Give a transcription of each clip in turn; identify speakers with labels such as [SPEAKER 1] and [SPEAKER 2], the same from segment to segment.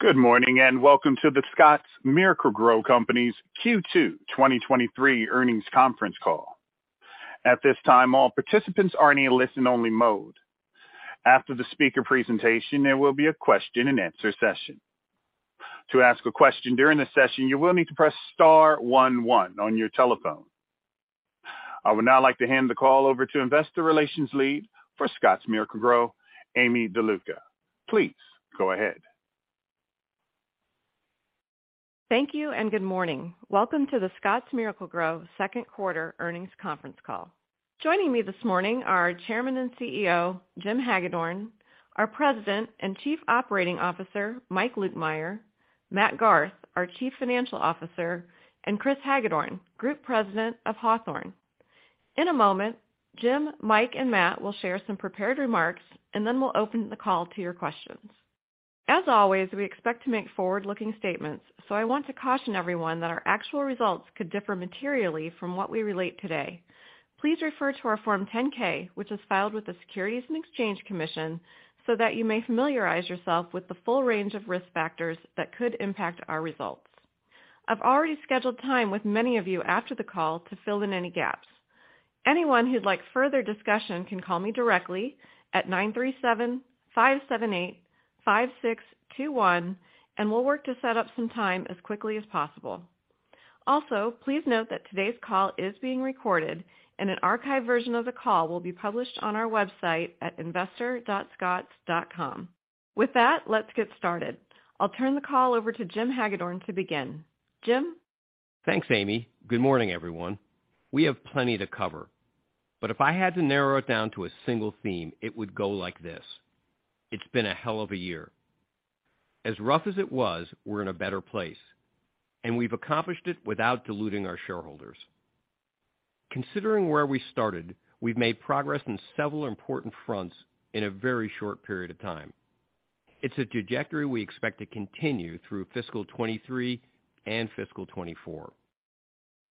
[SPEAKER 1] Good morning, and welcome to the Scotts Miracle-Gro Company's Q2 2023 earnings conference call. At this time, all participants are in a listen-only mode. After the speaker presentation, there will be a question-and-answer session. To ask a question during the session, you will need to press star one one on your telephone. I would now like to hand the call over to investor relations lead for Scotts Miracle-Gro, Aimee DeLuca. Please go ahead.
[SPEAKER 2] Thank you and good morning. Welcome to the Scotts Miracle-Gro Q2 Earnings Conference Call. Joining me this morning are Chairman and CEO, Jim Hagedorn, our President and Chief Operating Officer, Mike Lukemire, Matt Garth, our Chief Financial Officer, and Chris Hagedorn, Group President of Hawthorne. In a moment, Jim, Mike, and Matt will share some prepared remarks, and then we'll open the call to your questions. As always, we expect to make forward-looking statements, so I want to caution everyone that our actual results could differ materially from what we relate today. Please refer to our Form 10-K, which is filed with the Securities and Exchange Commission, so that you may familiarize yourself with the full range of risk factors that could impact our results. I've already scheduled time with many of you after the call to fill in any gaps. Anyone who'd like further discussion can call me directly at 937-578-5621. We'll work to set up some time as quickly as possible. Also, please note that today's call is being recorded and an archived version of the call will be published on our website at investor.scotts.com. With that, let's get started. I'll turn the call over to Jim Hagedorn to begin. Jim?
[SPEAKER 3] Thanks, Amy. Good morning, everyone. We have plenty to cover, If I had to narrow it down to a single theme, it would go like this: It's been a hell of a year. As rough as it was, we're in a better place, and we've accomplished it without diluting our shareholders. Considering where we started, we've made progress in several important fronts in a very short period of time. It's a trajectory we expect to continue through fiscal 2023 and fiscal 2024.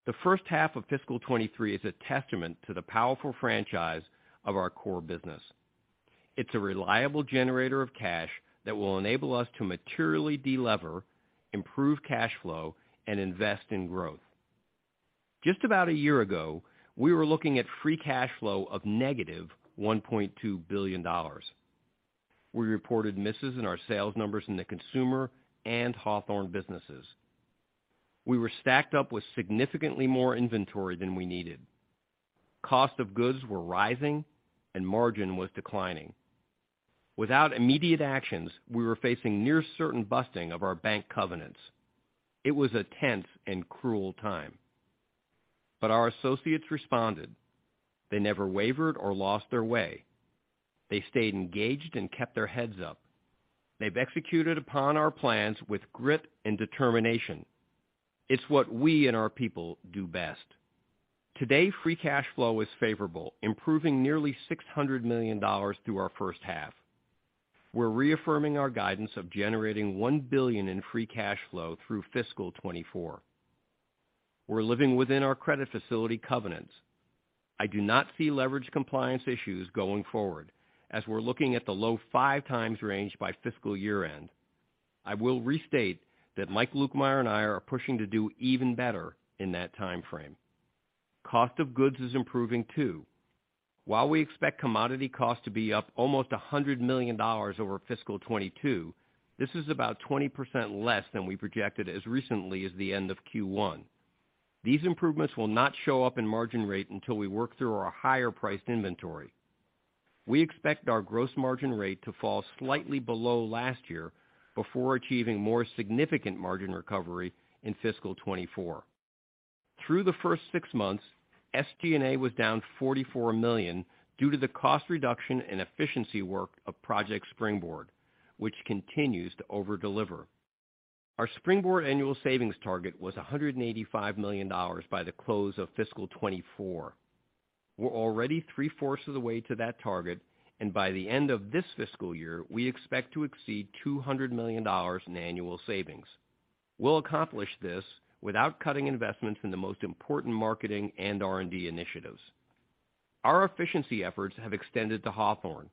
[SPEAKER 3] The first half of fiscal 2023 is a testament to the powerful franchise of our core business. It's a reliable generator of cash that will enable us to materially de-lever, improve cash flow, and invest in growth. Just about a year ago, we were looking at free cash flow of -$1.2 billion. We reported misses in our sales numbers in the consumer and Hawthorne businesses. We were stacked up with significantly more inventory than we needed. Cost of goods were rising and margin was declining. Without immediate actions, we were facing near certain busting of our bank covenants. It was a tense and cruel time, but our associates responded. T hey never wavered or lost their way. They stayed engaged and kept their heads up. They've executed upon our plans with grit and determination. It's what we and our people do best. Today, free cash flow is favorable, improving nearly $600 million through our first half. We're reaffirming our guidance of generating $1 billion in free cash flow through fiscal 2024. We're living within our credit facility covenants. I do not see leverage compliance issues going forward, as we're looking at the low 5x range by fiscal year-end. I will restate that Mike Lukemire and I are pushing to do even better in that timeframe. Cost of goods is improving too. While we expect commodity costs to be up almost $100 million over fiscal 2022, this is about 20% less than we projected as recently as the end of Q1. These improvements will not show up in margin rate until we work through our higher priced inventory. We expect our gross margin rate to fall slightly below last year before achieving more significant margin recovery in fiscal 2024. Through the first six months, SG&A was down $44 million due to the cost reduction and efficiency work of Project Springboard, which continues to over-deliver. Our Springboard annual savings target was $185 million by the close of fiscal 2024. We're already three-fourths of the way to that target, and by the end of this fiscal year, we expect to exceed $200 million in annual savings. We'll accomplish this without cutting investments in the most important marketing and R&D initiatives. Our efficiency efforts have extended to Hawthorne,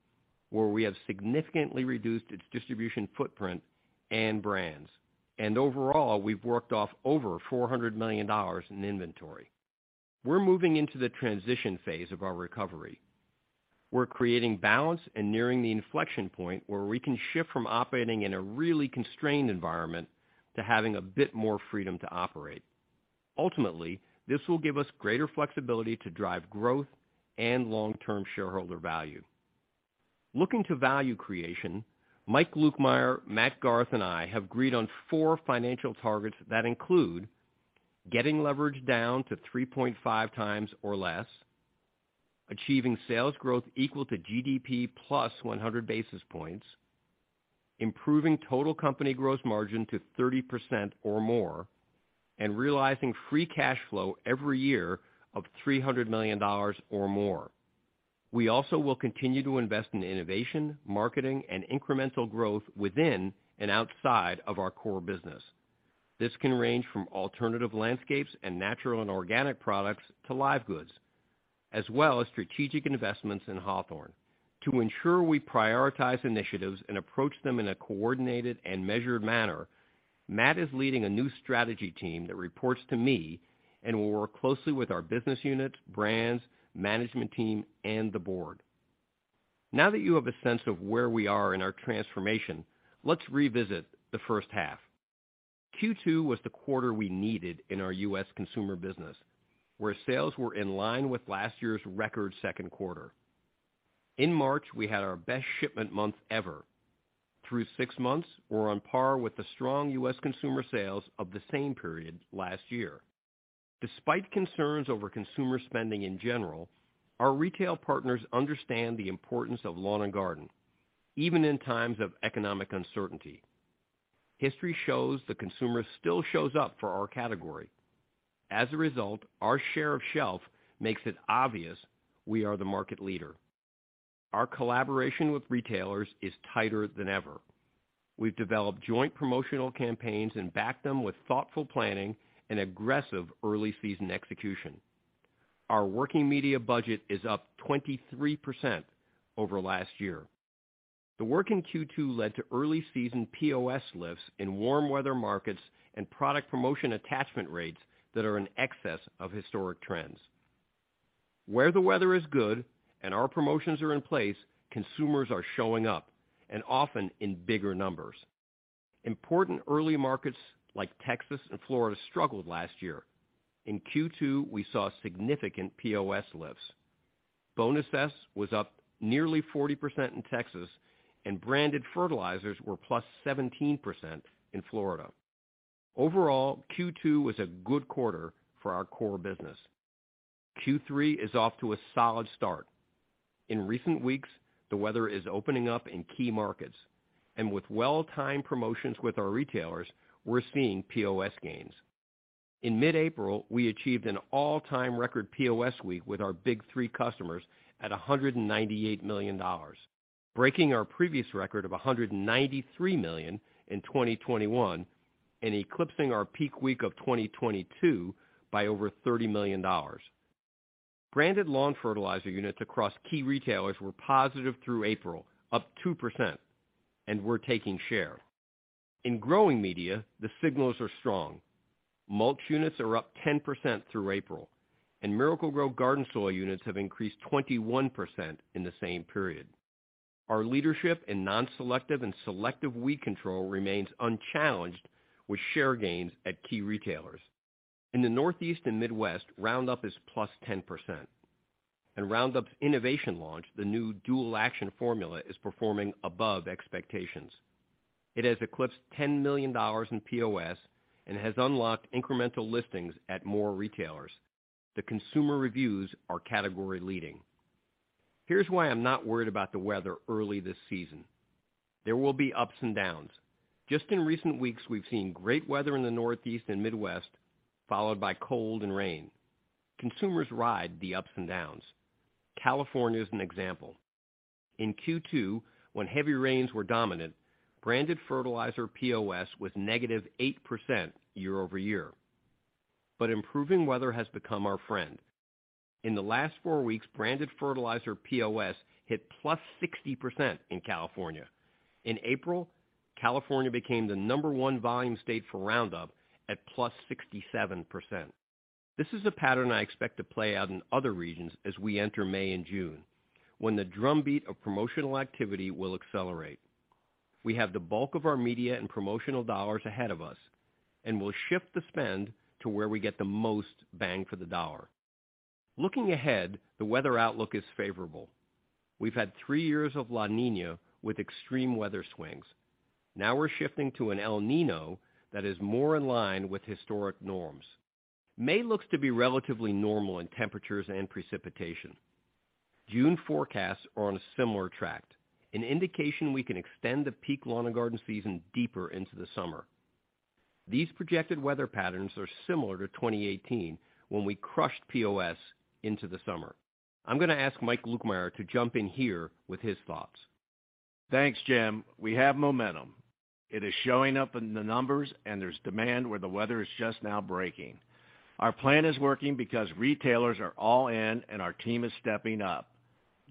[SPEAKER 3] where we have significantly reduced its distribution footprint and brands. Overall, we've worked off over $400 million in inventory. We're moving into the transition phase of our recovery. We're creating balance and nearing the inflection point where we can shift from operating in a really constrained environment to having a bit more freedom to operate. Ultimately, this will give us greater flexibility to drive growth and long-term shareholder value. Looking to value creation, Mike Lutkemeyer, Matt Garth, and I have agreed on four financial targets that include getting leverage down to 3.5x or less, achieving sales growth equal to GDP plus 100 basis points, improving total company gross margin to 30% or more, and realizing free cash flow every year of $300 million or more. We also will continue to invest in innovation, marketing, and incremental growth within and outside of our core business. This can range from alternative landscapes and natural and organic products to live goods. As well as strategic investments in Hawthorne. To ensure we prioritize initiatives and approach them in a coordinated and measured manner, Matt is leading a new strategy team that reports to me and will work closely with our business units, brands, management team, and the board. You have a sense of where we are in our transformation, let's revisit the first half. Q2 was the quarter we needed in our U.S. consumer business, where sales were in line with last year's record Q2. In March, we had our best shipment month ever. Through six months, we're on par with the strong U.S. consumer sales of the same period last year. Despite concerns over consumer spending in general, our retail partners understand the importance of lawn and garden, even in times of economic uncertainty. History shows the consumer still shows up for our category. Our share of shelf makes it obvious we are the market leader. Our collaboration with retailers is tighter than ever. We've developed joint promotional campaigns and backed them with thoughtful planning and aggressive early season execution. Our working media budget is up 23% over last year. The work in Q2 led to early season POS lifts in warm weather markets and product promotion attachment rates that are in excess of historic trends. Where the weather is good and our promotions are in place, consumers are showing up and often in bigger numbers. Important early markets like Texas and Florida struggled last year. In Q2, we saw significant POS lifts. Bonus S was up nearly 40% in Texas, and branded fertilizers were +17% in Florida. Overall, Q2 was a good quarter for our core business. Q3 is off to a solid start. In recent weeks, the weather is opening up in key markets, with well-timed promotions with our retailers, we're seeing POS gains. In mid-April, we achieved an all-time record POS week with our big three customers at $198 million, breaking our previous record of $193 million in 2021 and eclipsing our peak week of 2022 by over $30 million. Branded lawn fertilizer units across key retailers were positive through April, up 2%, and we're taking share. In growing media, the signals are strong. Mulch units are up 10% through April, and Miracle-Gro Garden Soil units have increased 21% in the same period. Our leadership in non-selective and selective weed control remains unchallenged with share gains at key retailers. In the Northeast and Midwest, Roundup is +10%, and Roundup's innovation launch, the new Dual Action formula, is performing above expectations. It has eclipsed $10 million in POS and has unlocked incremental listings at more retailers. The consumer reviews are category leading. Here's why I'm not worried about the weather early this season. There will be ups and downs. Just in recent weeks, we've seen great weather in the Northeast and Midwest, followed by cold and rain. Consumers ride the ups and downs. California is an example. In Q2, when heavy rains were dominant, branded fertilizer POS was -8% year-over-year. Improving weather has become our friend. In the last four weeks, branded fertilizer POS hit +60% in California. In April, California became the number 1 volume state for Roundup at +67%. This is a pattern I expect to play out in other regions as we enter May and June, when the drumbeat of promotional activity will accelerate. We have the bulk of our media and promotional dollars ahead of us, and we'll shift the spend to where we get the most bang for the dollar. Looking ahead, the weather outlook is favorable. We've had three years of La Niña with extreme weather swings. Now we're shifting to an El Niño that is more in line with historic norms. May looks to be relatively normal in temperatures and precipitation. June forecasts are on a similar track, an indication we can extend the peak lawn and garden season deeper into the summer. These projected weather patterns are similar to 2018 when we crushed POS into the summer. I'm gonna ask Mike Lukemire to jump in here with his thoughts.
[SPEAKER 4] Thanks, Jim. We have momentum. It is showing up in the numbers. There's demand where the weather is just now breaking. Our plan is working because retailers are all in and our team is stepping up.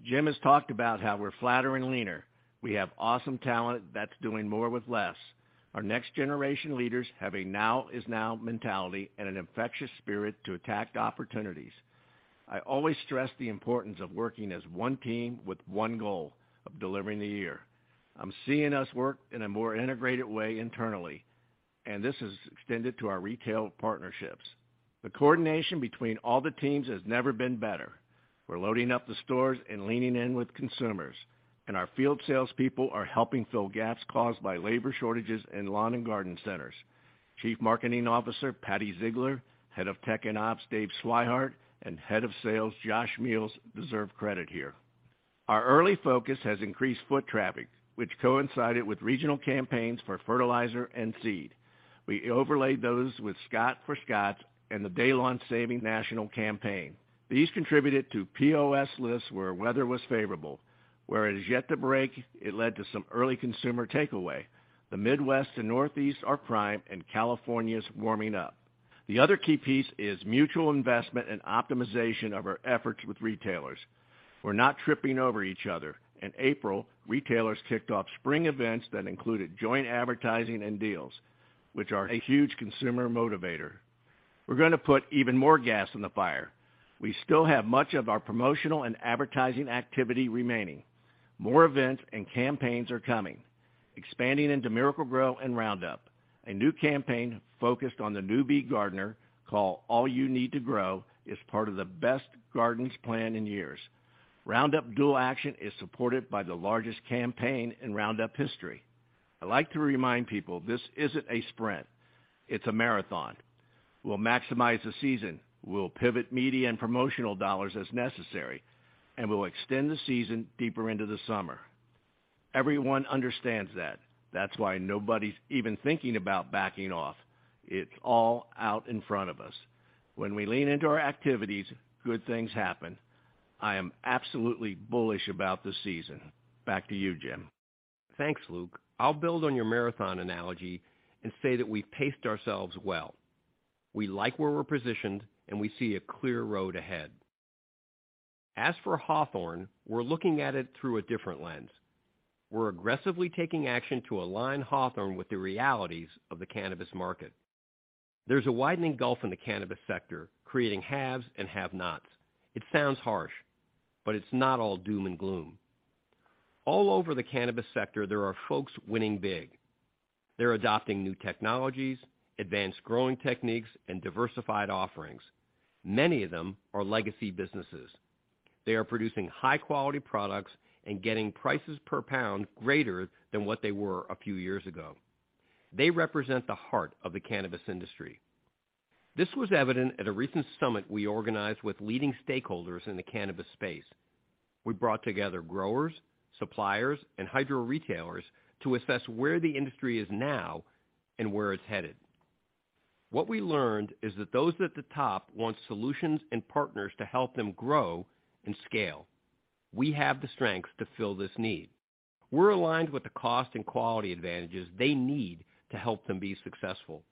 [SPEAKER 4] Jim has talked about how we're flatter and leaner. We have awesome talent that's doing more with less. Our next generation leaders have a now is now mentality and an infectious spirit to attack opportunities. I always stress the importance of working as one team with one goal of delivering the year. I'm seeing us work in a more integrated way internally. This is extended to our retail partnerships. The coordination between all the teams has never been better. We're loading up the stores and leaning in with consumers. Our field salespeople are helping fill gaps caused by labor shortages in lawn and garden centers. Chief Marketing Officer Patti Ziegler, Head of Tech and Ops Dave Swihart, and Head of Sales Josh Meihls deserve credit here. Our early focus has increased foot traffic, which coincided with regional campaigns for fertilizer and seed. We overlaid those with Scotts 4 Scotts and the Day Lawn Saving national campaign. These contributed to POS lists where weather was favorable. Where it is yet to break, it led to some early consumer takeaway. The Midwest and Northeast are prime, and California's warming up. The other key piece is mutual investment and optimization of our efforts with retailers. We're not tripping over each other. In April, retailers kicked off spring events that included joint advertising and deals, which are a huge consumer motivator. We're gonna put even more gas in the fire. We still have much of our promotional and advertising activity remaining. More events and campaigns are coming. Expanding into Miracle-Gro and Roundup, a new campaign focused on the newbie gardener called All You Need to Grow is part of the best gardens plan in years. Roundup Dual Action is supported by the largest campaign in Roundup history. I'd like to remind people this isn't a sprint, it's a marathon. We'll maximize the season, we'll pivot media and promotional dollars as necessary, and we'll extend the season deeper into the summer. Everyone understands that. That's why nobody's even thinking about backing off. It's all out in front of us. When we lean into our activities, good things happen. I am absolutely bullish about the season. Back to you, Jim.
[SPEAKER 3] Thanks, Luke. I'll build on your marathon analogy and say that we paced ourselves well. We like where we're positioned, and we see a clear road ahead. As for Hawthorne, we're looking at it through a different lens. We're aggressively taking action to align Hawthorne with the realities of the cannabis market. There's a widening gulf in the cannabis sector, creating haves and have-nots. It sounds harsh, but it's not all doom and gloom. All over the cannabis sector, there are folks winning big. They're adopting new technologies, advanced growing techniques, and diversified offerings. Many of them are legacy businesses. They are producing high-quality products and getting prices per pound greater than what they were a few years ago. They represent the heart of the cannabis industry. This was evident at a recent summit we organized with leading stakeholders in the cannabis space. We brought together growers, suppliers, and hydro retailers to assess where the industry is now and where it's headed. What we learned is that those at the top want solutions and partners to help them grow and scale. We have the strength to fill this need. We're aligned with the cost and quality advantages they need to help them be successful.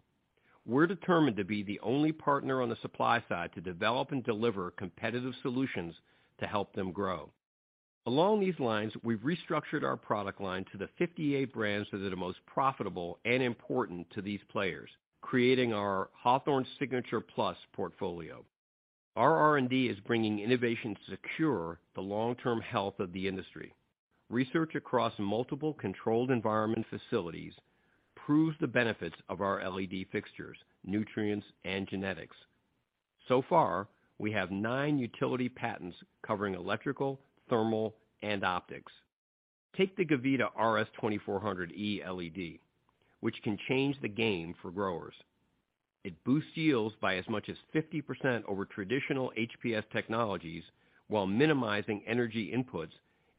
[SPEAKER 3] We're determined to be the only partner on the supply side to develop and deliver competitive solutions to help them grow. Along these lines, we've restructured our product line to the 58 brands that are the most profitable and important to these players, creating our Hawthorne Signature Plus portfolio. Our R&D is bringing innovation to secure the long-term health of the industry. Research across multiple controlled environment facilities proves the benefits of our LED fixtures, nutrients, and genetics. Far, we have nine utility patents covering electrical, thermal, and optics. Take the Gavita Pro RS 2400e LED, which can change the game for growers. It boosts yields by as much as 50% over traditional HPS technologies while minimizing energy inputs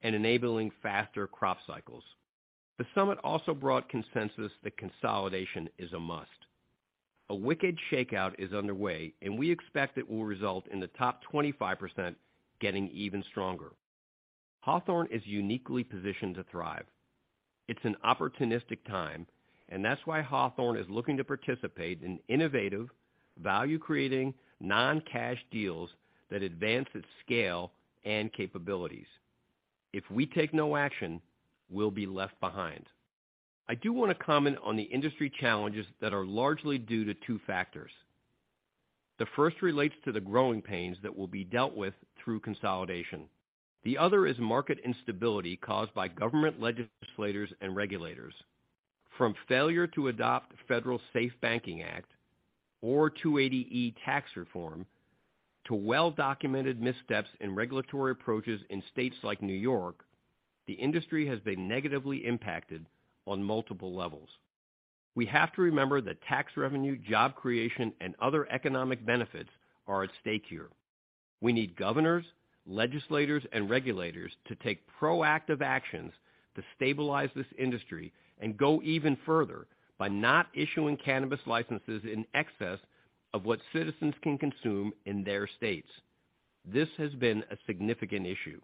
[SPEAKER 3] and enabling faster crop cycles. The summit also brought consensus that consolidation is a must. A wicked shakeout is underway, and we expect it will result in the top 25% getting even stronger. Hawthorne is uniquely positioned to thrive. It's an opportunistic time, and that's why Hawthorne is looking to participate in innovative, value-creating, non-cash deals that advance its scale and capabilities. If we take no action, we'll be left behind. I do want to comment on the industry challenges that are largely due to two factors. The first relates to the growing pains that will be dealt with through consolidation. The other is market instability caused by government legislators and regulators. From failure to adopt Federal SAFE Banking Act or 280E tax reform to well-documented missteps in regulatory approaches in states like New York, the industry has been negatively impacted on multiple levels. We have to remember that tax revenue, job creation, and other economic benefits are at stake here. We need governors, legislators, and regulators to take proactive actions to stabilize this industry and go even further by not issuing cannabis licenses in excess of what citizens can consume in their states. This has been a significant issue.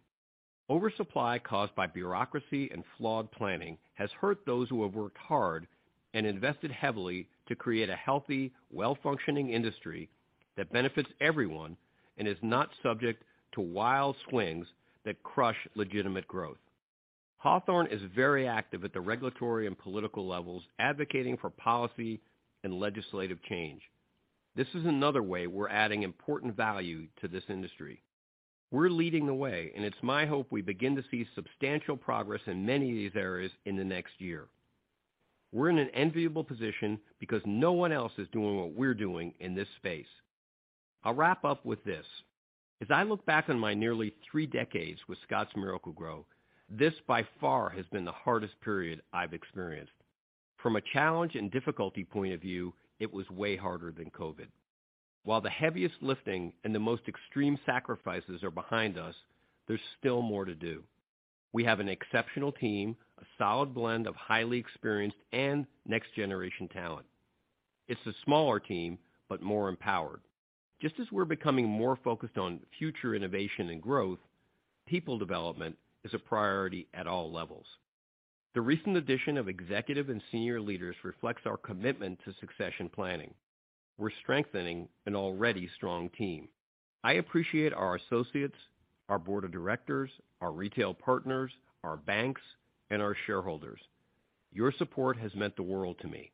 [SPEAKER 3] Oversupply caused by bureaucracy and flawed planning has hurt those who have worked hard and invested heavily to create a healthy, well-functioning industry that benefits everyone and is not subject to wild swings that crush legitimate growth. Hawthorne is very active at the regulatory and political levels, advocating for policy and legislative change. This is another way we're adding important value to this industry. We're leading the way, and it's my hope we begin to see substantial progress in many of these areas in the next year. We're in an enviable position because no one else is doing what we're doing in this space. I'll wrap up with this. As I look back on my nearly three decades with Scotts Miracle-Gro, this by far has been the hardest period I've experienced. From a challenge and difficulty point of view, it was way harder than COVID. While the heaviest lifting and the most extreme sacrifices are behind us, there's still more to do. We have an exceptional team, a solid blend of highly experienced and next generation talent. It's a smaller team, but more empowered. Just as we're becoming more focused on future innovation and growth, people development is a priority at all levels. The recent addition of executive and senior leaders reflects our commitment to succession planning. We're strengthening an already strong team. I appreciate our associates, our board of directors, our retail partners, our banks, and our shareholders. Your support has meant the world to me.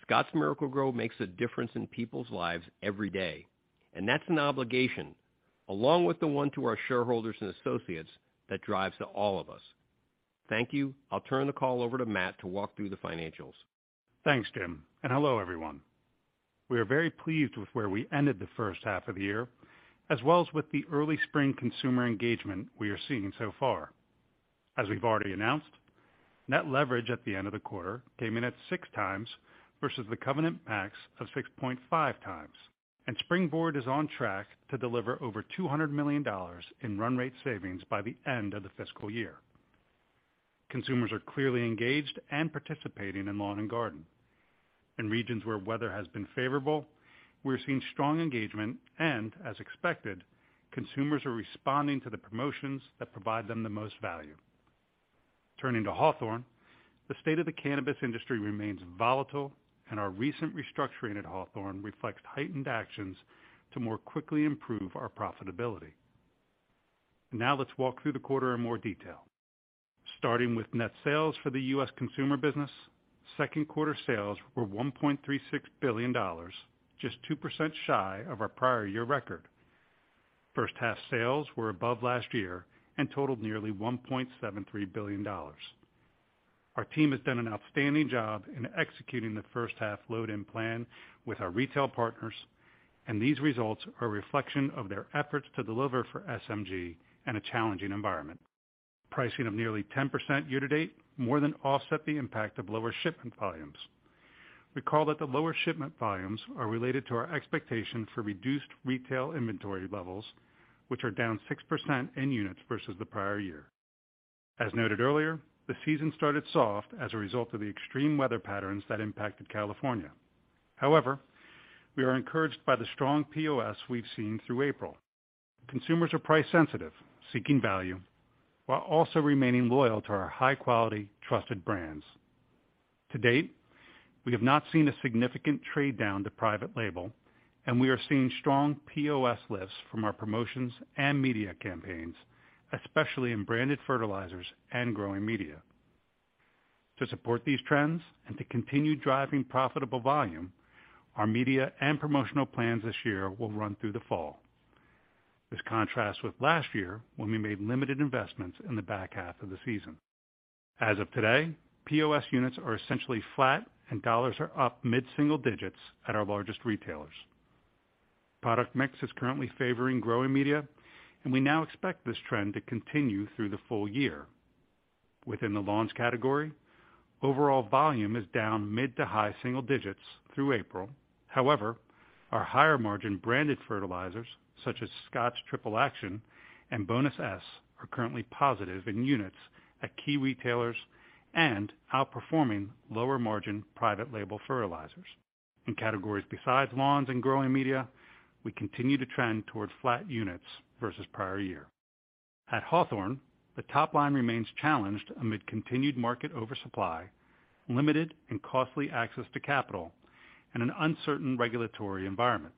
[SPEAKER 3] Scotts Miracle-Gro makes a difference in people's lives every day, That's an obligation, along with the one to our shareholders and associates that drives to all of us. Thank you. I'll turn the call over to Matt to walk through the financials.
[SPEAKER 5] Thanks, Jim, and hello, everyone. We are very pleased with where we ended the first half of the year, as well as with the early spring consumer engagement we are seeing so far. As we've already announced, net leverage at the end of the quarter came in at 6x versus the covenant max of 6.5x. Springboard is on track to deliver over $200 million in run rate savings by the end of the fiscal year. Consumers are clearly engaged and participating in lawn and garden. In regions where weather has been favorable, we're seeing strong engagement, and as expected, consumers are responding to the promotions that provide them the most value. Turning to Hawthorne, the state of the cannabis industry remains volatile, and our recent restructuring at Hawthorne reflects heightened actions to more quickly improve our profitability. Now let's walk through the quarter in more detail. Starting with net sales for the U.S. consumer business, Q2 sales were $1.36 billion, just 2% shy of our prior year record. First half sales were above last year and totaled nearly $1.73 billion. Our team has done an outstanding job in executing the first half load and plan with our retail partners. These results are a reflection of their efforts to deliver for SMG in a challenging environment. Pricing of nearly 10% year-to-date more than offset the impact of lower shipment volumes. Recall that the lower shipment volumes are related to our expectation for reduced retail inventory levels, which are down 6% in units versus the prior year. As noted earlier, the season started soft as a result of the extreme weather patterns that impacted California. However, we are encouraged by the strong POS we've seen through April. Consumers are price-sensitive, seeking value, while also remaining loyal to our high-quality, trusted brands. To date, we have not seen a significant trade down to private label, and we are seeing strong POS lifts from our promotions and media campaigns, especially in branded fertilizers and growing media. To support these trends and to continue driving profitable volume, our media and promotional plans this year will run through the fall. This contrasts with last year when we made limited investments in the back half of the season. As of today, POS units are essentially flat and dollars are up mid-single digits at our largest retailers. Product mix is currently favoring growing media, and we now expect this trend to continue through the full year. Within the lawns category, overall volume is down mid to high single digits through April. Our higher margin branded fertilizers, such as Scotts Turf Builder Triple Action and Bonus S, are currently positive in units at key retailers and outperforming lower margin private label fertilizers. In categories besides lawns and growing media, we continue to trend towards flat units versus prior year. At Hawthorne, the top line remains challenged amid continued market oversupply, limited and costly access to capital and an uncertain regulatory environment.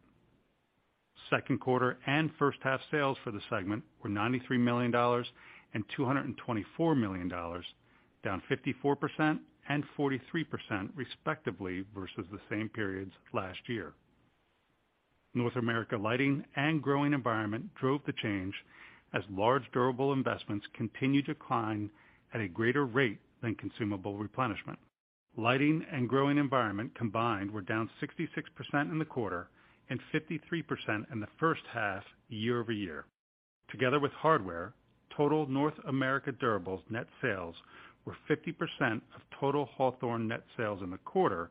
[SPEAKER 5] Q2 and first half sales for the segment were $93 million and $224 million, down 54% and 43% respectively versus the same periods last year. North America Lighting and Growing Environment drove the change as large durable investments continued to decline at a greater rate than consumable replenishment. Lighting and Growing Environment combined were down 66% in the quarter and 53% in the first half year-over-year. Together with hardware, total North America Durables net sales were 50% of total Hawthorne net sales in the quarter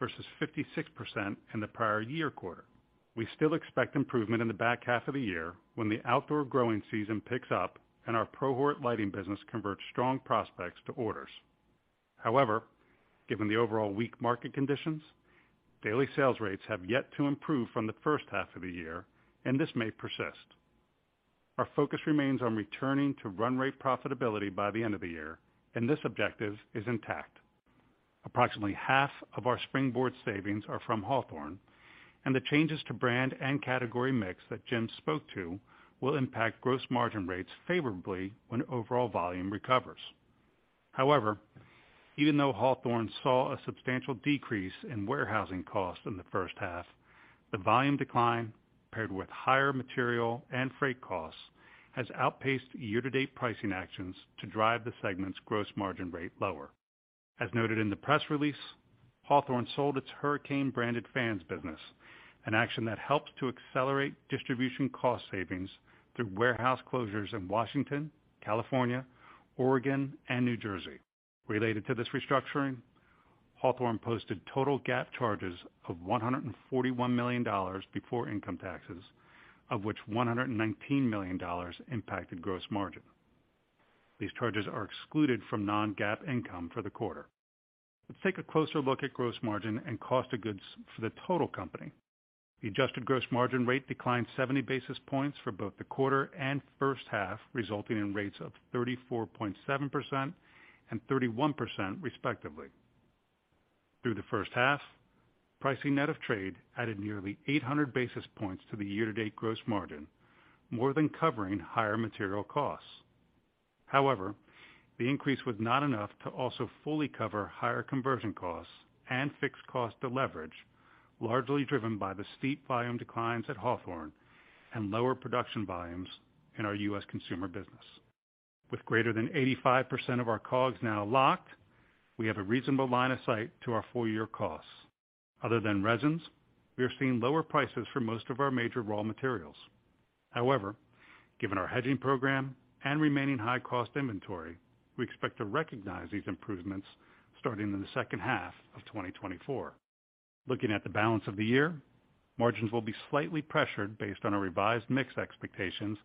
[SPEAKER 5] versus 56% in the prior year quarter. We still expect improvement in the back half of the year when the outdoor growing season picks up and our ProHort lighting business converts strong prospects to orders. Given the overall weak market conditions, daily sales rates have yet to improve from the first half of the year, and this may persist. Our focus remains on returning to run rate profitability by the end of the year, and this objective is intact. Approximately half of our Springboard savings are from Hawthorne, and the changes to brand and category mix that Jim spoke to will impact gross margin rates favorably when overall volume recovers. However, even though Hawthorne saw a substantial decrease in warehousing costs in the first half, the volume decline, paired with higher material and freight costs, has outpaced year-to-date pricing actions to drive the segment's gross margin rate lower. As noted in the press release, Hawthorne sold its Hurricane branded fans business, an action that helps to accelerate distribution cost savings through warehouse closures in Washington, California, Oregon, and New Jersey. Related to this restructuring, Hawthorne posted total GAAP charges of $141 million before income taxes, of which $119 million impacted gross margin. These charges are excluded from non-GAAP income for the quarter. Let's take a closer look at gross margin and cost of goods for the total company. The adjusted gross margin rate declined 70 basis points for both the quarter and first half, resulting in rates of 34.7% and 31% respectively. Through the first half, pricing net of trade added nearly 800 basis points to the year-to-date gross margin, more than covering higher material costs. The increase was not enough to also fully cover higher conversion costs and fixed cost to leverage, largely driven by the steep volume declines at Hawthorne and lower production volumes in our U.S. consumer business. With greater than 85% of our COGS now locked, we have a reasonable line of sight to our full year costs. Other than resins, we are seeing lower prices for most of our major raw materials. Given our hedging program and remaining high cost inventory, we expect to recognize these improvements starting in the second half of 2024. Looking at the balance of the year, margins will be slightly pressured based on our revised mix expectations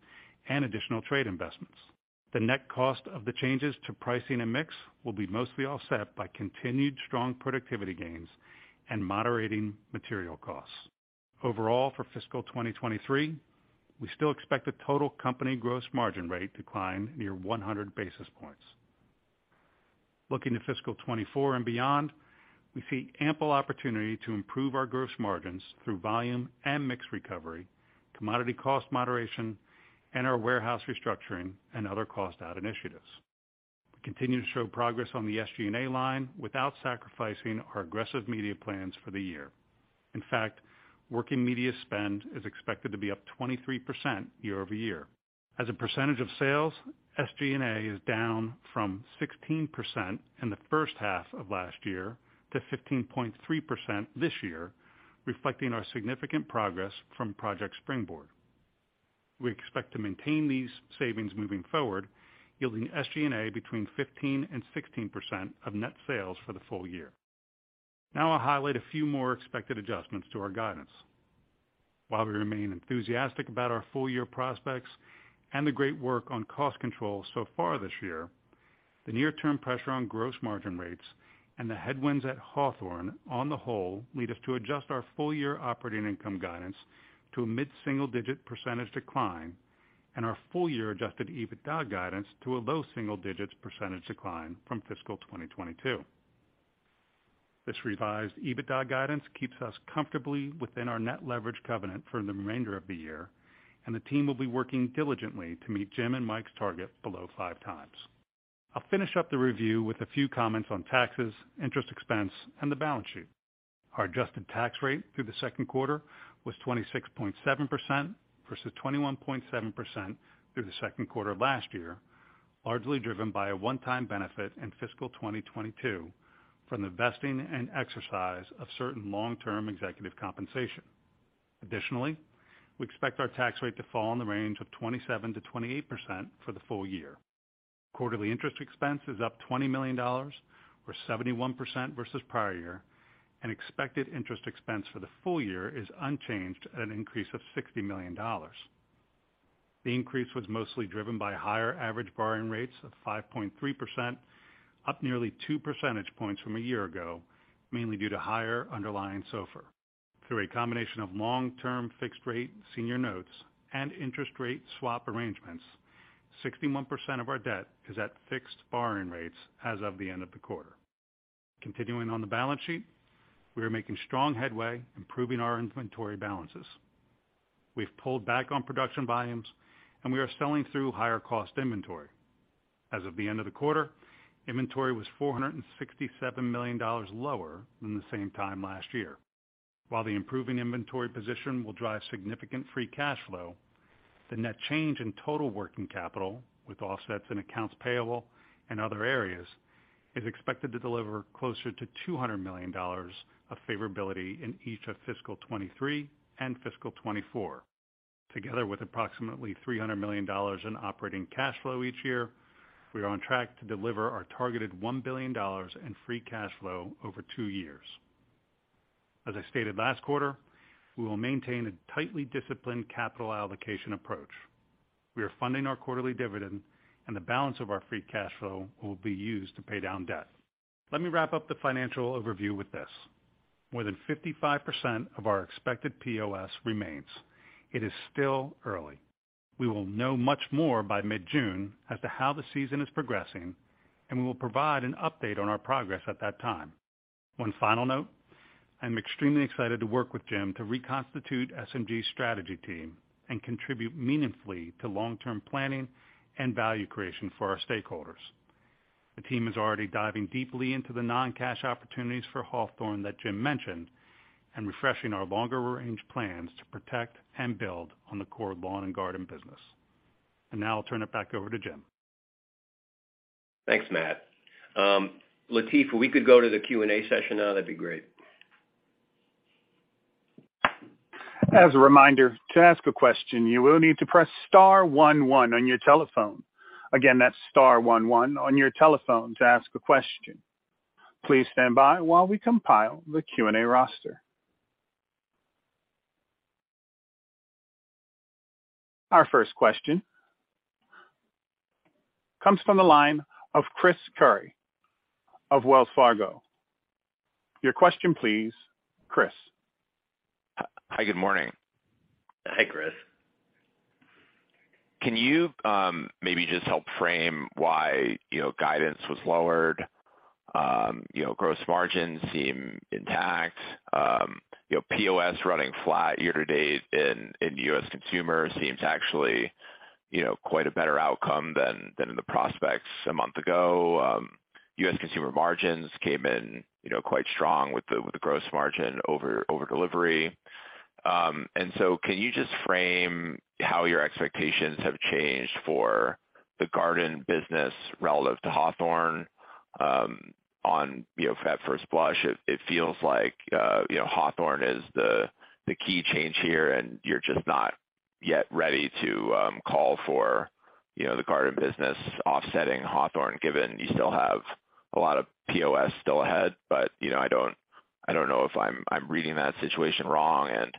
[SPEAKER 5] and additional trade investments. The net cost of the changes to pricing and mix will be mostly offset by continued strong productivity gains and moderating material costs. Overall, for fiscal 2023, we still expect the total company gross margin rate to climb near 100 basis points. Looking to fiscal 2024 and beyond, we see ample opportunity to improve our gross margins through volume and mix recovery, commodity cost moderation and our warehouse restructuring and other cost add initiatives. We continue to show progress on the SG&A line without sacrificing our aggressive media plans for the year. In fact, working media spend is expected to be up 23% year-over-year. As a percentage of sales, SG&A is down from 16% in the first half of last year to 15.3% this year, reflecting our significant progress from Project Springboard. We expect to maintain these savings moving forward, yielding SG&A between 15% and 16% of net sales for the full year. I'll highlight a few more expected adjustments to our guidance. We remain enthusiastic about our full year prospects and the great work on cost control so far this year, the near term pressure on gross margin rates and the headwinds at Hawthorne on the whole lead us to adjust our full year operating income guidance to a mid-single digit percentage decline and our full year Adjusted EBITDA guidance to a low single digits percentage decline from fiscal 2022. This revised EBITDA guidance keeps us comfortably within our net leverage covenant for the remainder of the year, and the team will be working diligently to meet Jim and Mike's target below 5x. I'll finish up the review with a few comments on taxes, interest expense, and the balance sheet. Our adjusted tax rate through the Q2 was 26.7% versus 21.7% through the Q2 last year, largely driven by a one-time benefit in fiscal 2022 from the vesting and exercise of certain long-term executive compensation. Additionally, we expect our tax rate to fall in the range of 27-28% for the full year. Quarterly interest expense is up $20 million, or 71% versus prior year, and expected interest expense for the full year is unchanged at an increase of $60 million. The increase was mostly driven by higher average borrowing rates of 5.3%, up nearly 2 percentage points from a year ago, mainly due to higher underlying SOFR. Through a combination of long-term fixed rate senior notes and interest rate swap arrangements, 61% of our debt is at fixed borrowing rates as of the end of the quarter. Continuing on the balance sheet, we are making strong headway improving our inventory balances. We've pulled back on production volumes and we are selling through higher cost inventory. As of the end of the quarter, inventory was $467 million lower than the same time last year. While the improving inventory position will drive significant free cash flow, the net change in total working capital with offsets and accounts payable and other areas is expected to deliver closer to $200 million of favorability in each of fiscal 2023 and fiscal 2024. Together with approximately $300 million in operating cash flow each year, we are on track to deliver our targeted $1 billion in free cash flow over two years. As I stated last quarter, we will maintain a tightly disciplined capital allocation approach. We are funding our quarterly dividend and the balance of our free cash flow will be used to pay down debt. Let me wrap up the financial overview with this. More than 55% of our expected POS remains. It is still early. We will know much more by mid-June as to how the season is progressing, and we will provide an update on our progress at that time. One final note: I'm extremely excited to work with Jim to reconstitute SMG's strategy team and contribute meaningfully to long-term planning and value creation for our stakeholders. The team is already diving deeply into the non-cash opportunities for Hawthorne that Jim mentioned and refreshing our longer range plans to protect and build on the core lawn and garden business. Now I'll turn it back over to Jim.
[SPEAKER 3] Thanks, Matt. Latifa, we could go to the Q&A session now. That'd be great.
[SPEAKER 5] As a reminder, to ask a question, you will need to press star one one on your telephone. Again, that's star one one on your telephone to ask a question. Please stand by while we compile the Q&A roster.
[SPEAKER 1] Our first question comes from the line of Chris Carey of Wells Fargo. Your question, please, Chris.
[SPEAKER 6] Hi. Good morning.
[SPEAKER 3] Hi, Chris.
[SPEAKER 6] Can you, maybe just help frame why, you know, guidance was lowered. You know, gross margins seem intact. You know, POS running flat year-to-date in U.S. consumer seems actually, you know, quite a better outcome than in the prospects a month ago. U.S. consumer margins came in, you know, quite strong with the gross margin over delivery. Can you just frame how your expectations have changed for the Garden business relative to Hawthorne? On, you know, at first blush, it feels like, you know, Hawthorne is the key change here, and you're just not yet ready to call for, you know, the Garden business offsetting Hawthorne, given you still have a lot of POS still ahead. You know, I don't know if I'm reading that situation wrong. And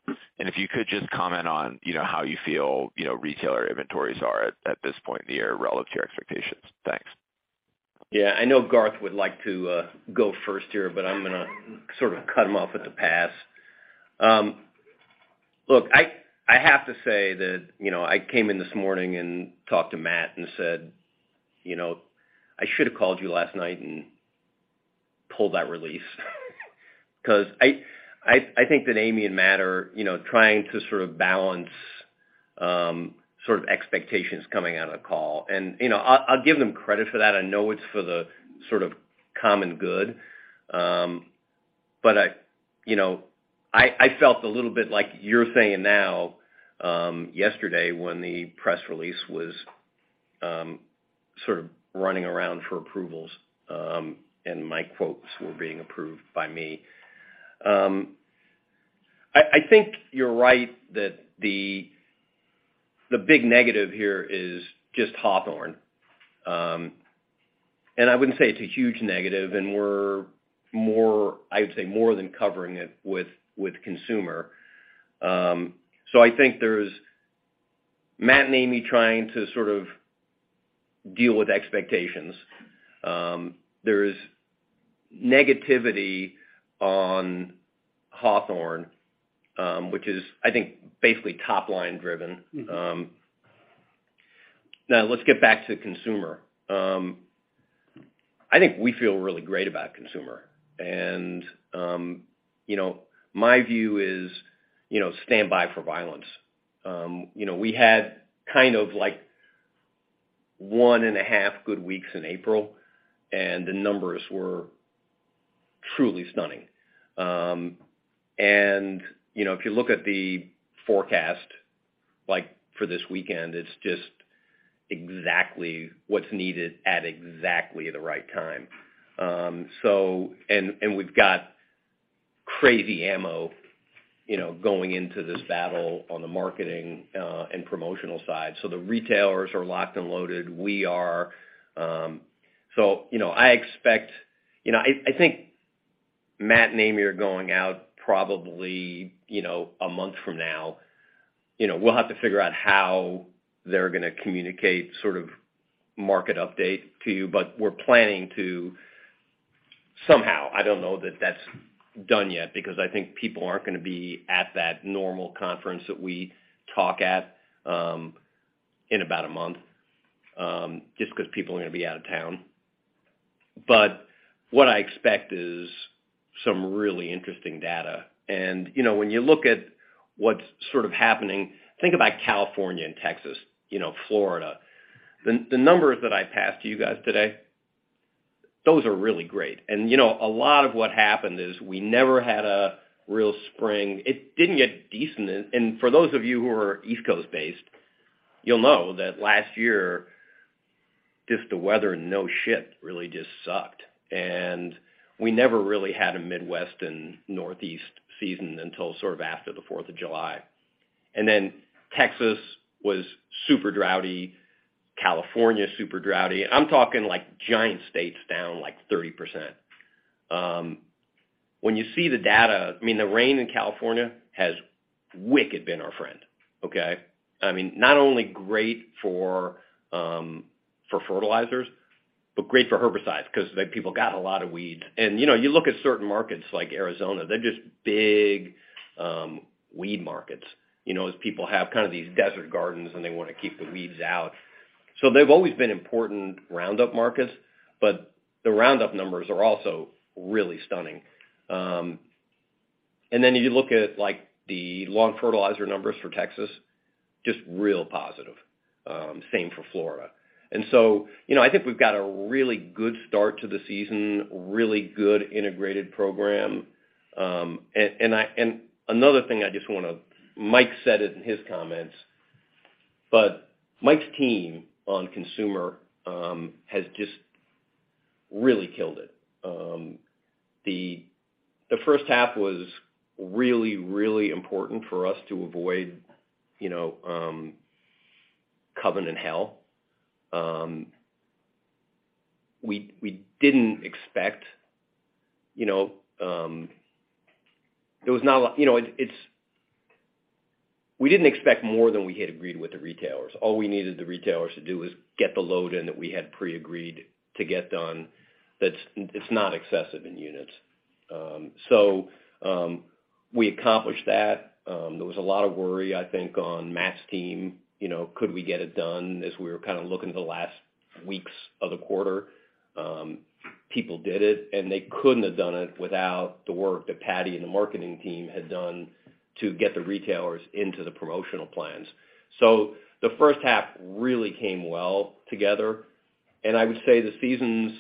[SPEAKER 6] if you could just comment on, you know, how you feel, you know, retailer inventories are at this point in the year relative to your expectations. Thanks.
[SPEAKER 3] I know Garth would like to go first here, but I'm gonna sort of cut him off at the pass. Look, I have to say that, you know, I came in this morning and talked to Matt and said, "You know, I should have called you last night and pulled that release." 'Cause I, I think that Amy and Matt are, you know, trying to sort of balance sort of expectations coming out of the call. You know, I'll give them credit for that. I know it's for the sort of common good. But I, you know, I felt a little bit like you're saying now, yesterday when the press release was sort of running around for approvals, and my quotes were being approved by me. I think you're right that the big negative here is just Hawthorne. I wouldn't say it's a huge negative, and we're more, I would say, more than covering it with consumer. I think there's Matt and Amy trying to sort of deal with expectations. There is negativity on Hawthorne, which is I think basically top-line driven. Let's get back to consumer. I think we feel really great about consumer. You know, my view is, you know, stand by for violence. You know, we had kind of like 1.5 good weeks in April, and the numbers were truly stunning. You know, if you look at the forecast, like for this weekend, it's just exactly what's needed at exactly the right time. We've got crazy ammo, you know, going into this battle on the marketing and promotional side. The retailers are locked and loaded. We are. You know, I expect. You know, I think Matt and Amy are going out probably, you know, a month from now. You know, we'll have to figure out how they're gonna communicate sort of market update to you, but we're planning to somehow, I don't know that that's done yet, because I think people aren't gonna be at that normal conference that we talk at in about a month, just 'cause people are gonna be out of town. What I expect is some really interesting data. You know, when you look at what's sort of happening, think about California and Texas, you know, Florida. The numbers that I passed to you guys today, those are really great. You know, a lot of what happened is we never had a real spring. It didn't get decent. For those of you who are East Coast based, you'll know that last year, just the weather, no shi, really just sucked. We never really had a Midwest and Northeast season until sort of after the Fourth of July. Texas was super drough, California, super drough. I'm talking like giant states down like 30%. When you see the data, I mean, the rain in California has wicked been our friend, okay? I mean, not only great for fertilizers, but great for herbicides 'cause people got a lot of weeds. You know, you look at certain markets like Arizona, they're just big weed markets. You know, as people have kind of these desert gardens, and they want to keep the weeds out. They've always been important Roundup markets, but the Roundup numbers are also really stunning. You look at like the lawn fertilizer numbers for Texas, just real positive. Same for Florida. You know, I think we've got a really good start to the season, really good integrated program. Mike said it in his comments, but Mike's team on consumer has just really killed it. The first half was really, really important for us to avoid, you know, coven and hell. We didn't expect, you know, more than we had agreed with the retailers. All we needed the retailers to do is get the load in that we had pre-agreed to get done that's it's not excessive in units. We accomplished that. There was a lot of worry, I think, on Matt's team, you know, could we get it done as we were kind of looking at the last weeks of the quarter. People did it, and they couldn't have done it without the work that Patty and the marketing team had done to get the retailers into the promotional plans. The first half really came well together, and I would say the season's,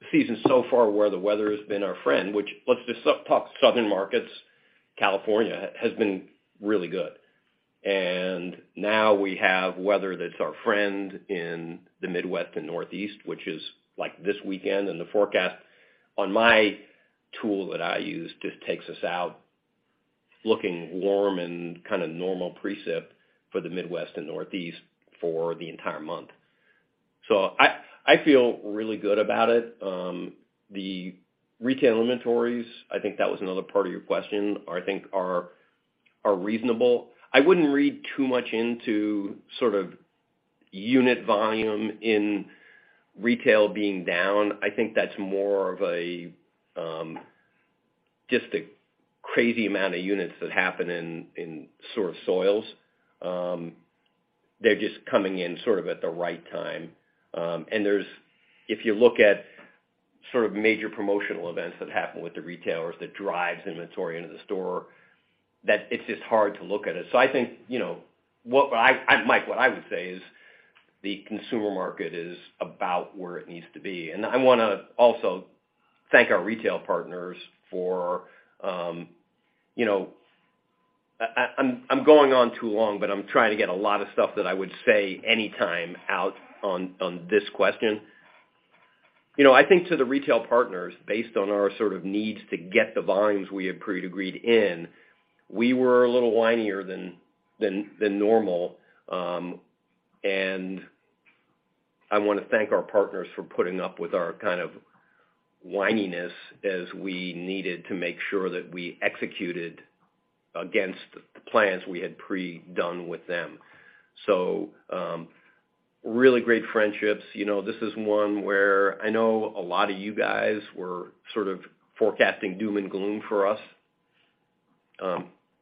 [SPEAKER 3] the season so far where the weather has been our friend, which let's just talk southern markets, California has been really good. Now we have weather that's our friend in the Midwest and Northeast, which is like this weekend, and the forecast on my tool that I use just takes us out looking warm and kind of normal precip for the Midwest and Northeast for the entire month. I feel really good about it. The retail inventories, I think that was another part of your question, I think are reasonable. I wouldn't read too much into sort of unit volume in retail being down. I think that's more of a just a crazy amount of units that happen in sort of soils. They're just coming in sort of at the right time. If you look at sort of major promotional events that happen with the retailers that drives inventory into the store, that it's just hard to look at it. I think, you know, what I, Mike, what I would say is the consumer market is about where it needs to be. I wanna also thank our retail partners for, you know. I'm going on too long, but I'm trying to get a lot of stuff that I would say anytime out on this question. You know, I think to the retail partners, based on our sort of needs to get the volumes we had pre-agreed in, we were a little whinier than normal. I wanna thank our partners for putting up with our kind of whininess as we needed to make sure that we executed against the plans we had pre-done with them. Really great friendships. You know, this is one where I know a lot of you guys were sort of forecasting doom and gloom for us.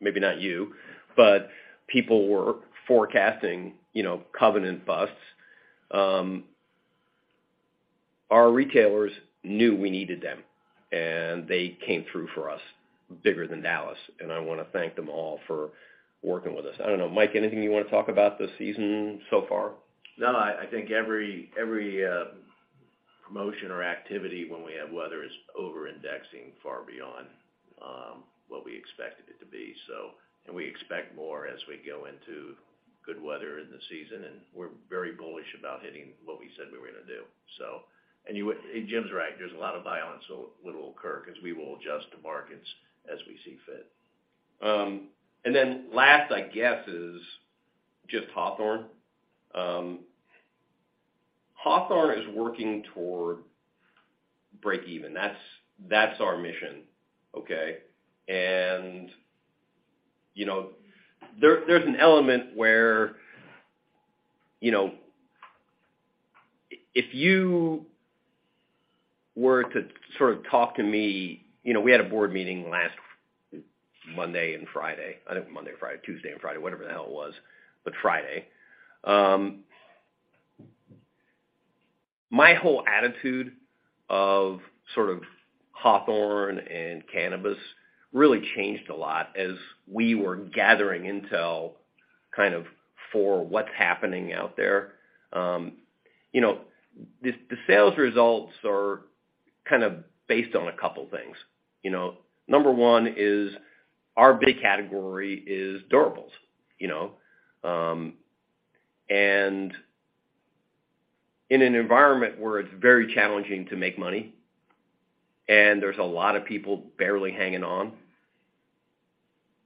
[SPEAKER 3] maybe not you, but people were forecasting, you know, covenant busts. our retailers knew we needed them, and they came through for us bigger than Dallas, and I wanna thank them all for working with us. I don't know, Mike, anything you wanna talk about this season so far?
[SPEAKER 4] No, I think every promotion or activity when we have weather is over-indexing far beyond what we expected it to be. We expect more as we go into good weather in the season, and we're very bullish about hitting what we said we were gonna do. Jim's right, there's a lot of buy on, so it would occur 'cause we will adjust to markets as we see fit.
[SPEAKER 3] Then last, I guess, is just Hawthorne. Hawthorne is working toward breakeven. That's our mission, okay? You know, there's an element where, you know, if you were to sort of talk to me... You know, we had a board meeting last Monday and Friday. I think Monday and Friday, Tuesday and Friday, whatever the hell it was, but Friday. My whole attitude of sort of Hawthorne and cannabis really changed a lot as we were gathering intel kind of for what's happening out there. You know, the sales results are kind of based on a couple things, you know. Number one is our big category is durables, you know. In an environment where it's very challenging to make money and there's a lot of people barely hanging on,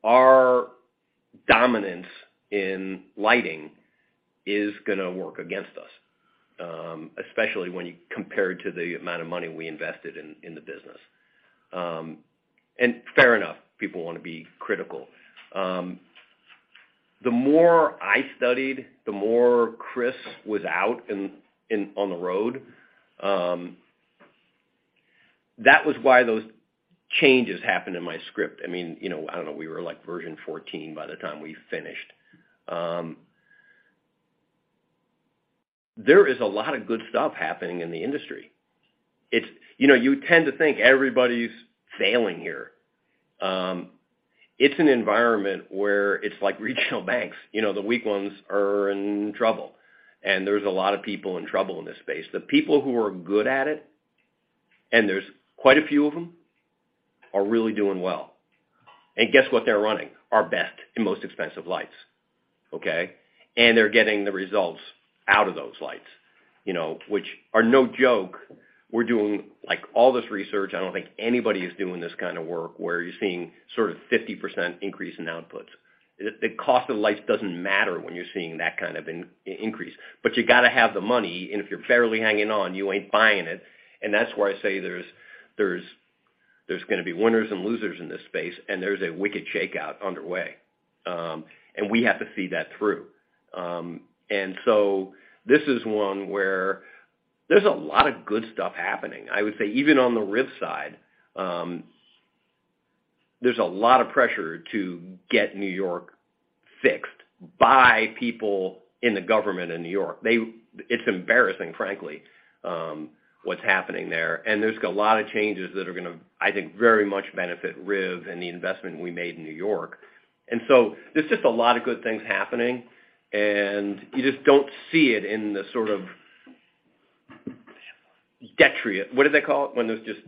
[SPEAKER 3] our dominance in lighting is gonna work against us, especially when you compared to the amount of money we invested in the business. Fair enough, people wanna be critical. The more I studied, the more Chris was out on the road, that was why those changes happened in my script. I mean, you know, I don't know, we were like version 14 by the time we finished. There is a lot of good stuff happening in the industry. It's, you know, you tend to think everybody's failing here. It's an environment where it's like regional banks. You know, the weak ones are in trouble, and there's a lot of people in trouble in this space. The people who are good at it, and there's quite a few of them, are really doing well. Guess what they're running? Our best and most expensive lights, okay? They're getting the results out of those lights, you know, which are no joke. We're doing, like, all this research. I don't think anybody is doing this kind of work where you're seeing sort of 50% increase in outputs. The cost of lights doesn't matter when you're seeing that kind of increase, but you gotta have the money, and if you're barely hanging on, you ain't buying it. That's where I say there's gonna be winners and losers in this space, and there's a wicked shakeout underway. We have to see that through. So this is one where there's a lot of good stuff happening. I would say even on the RIV side, there's a lot of pressure to get New York fixed by people in the government in New York. It's embarrassing, frankly, what's happening there. There's a lot of changes that are gonna, I think, very much benefit RIV and the investment we made in New York. There's just a lot of good things happening, and you just don't see it in the sort of What do they call it when there's just...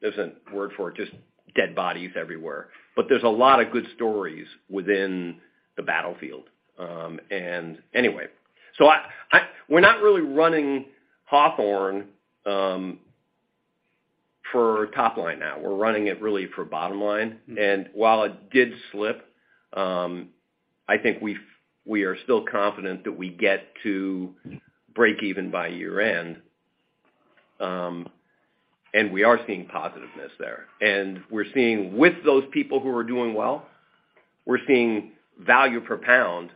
[SPEAKER 3] There's a word for it, just dead bodies everywhere. There's a lot of good stories within the battlefield. Anyway, we're not really running Hawthorne for top line now. We're running it really for bottom line. While it did slip, I think we are still confident that we get to break even by year-end, and we are seeing positiveness there. We're seeing with those people who are doing well, we're seeing value per pound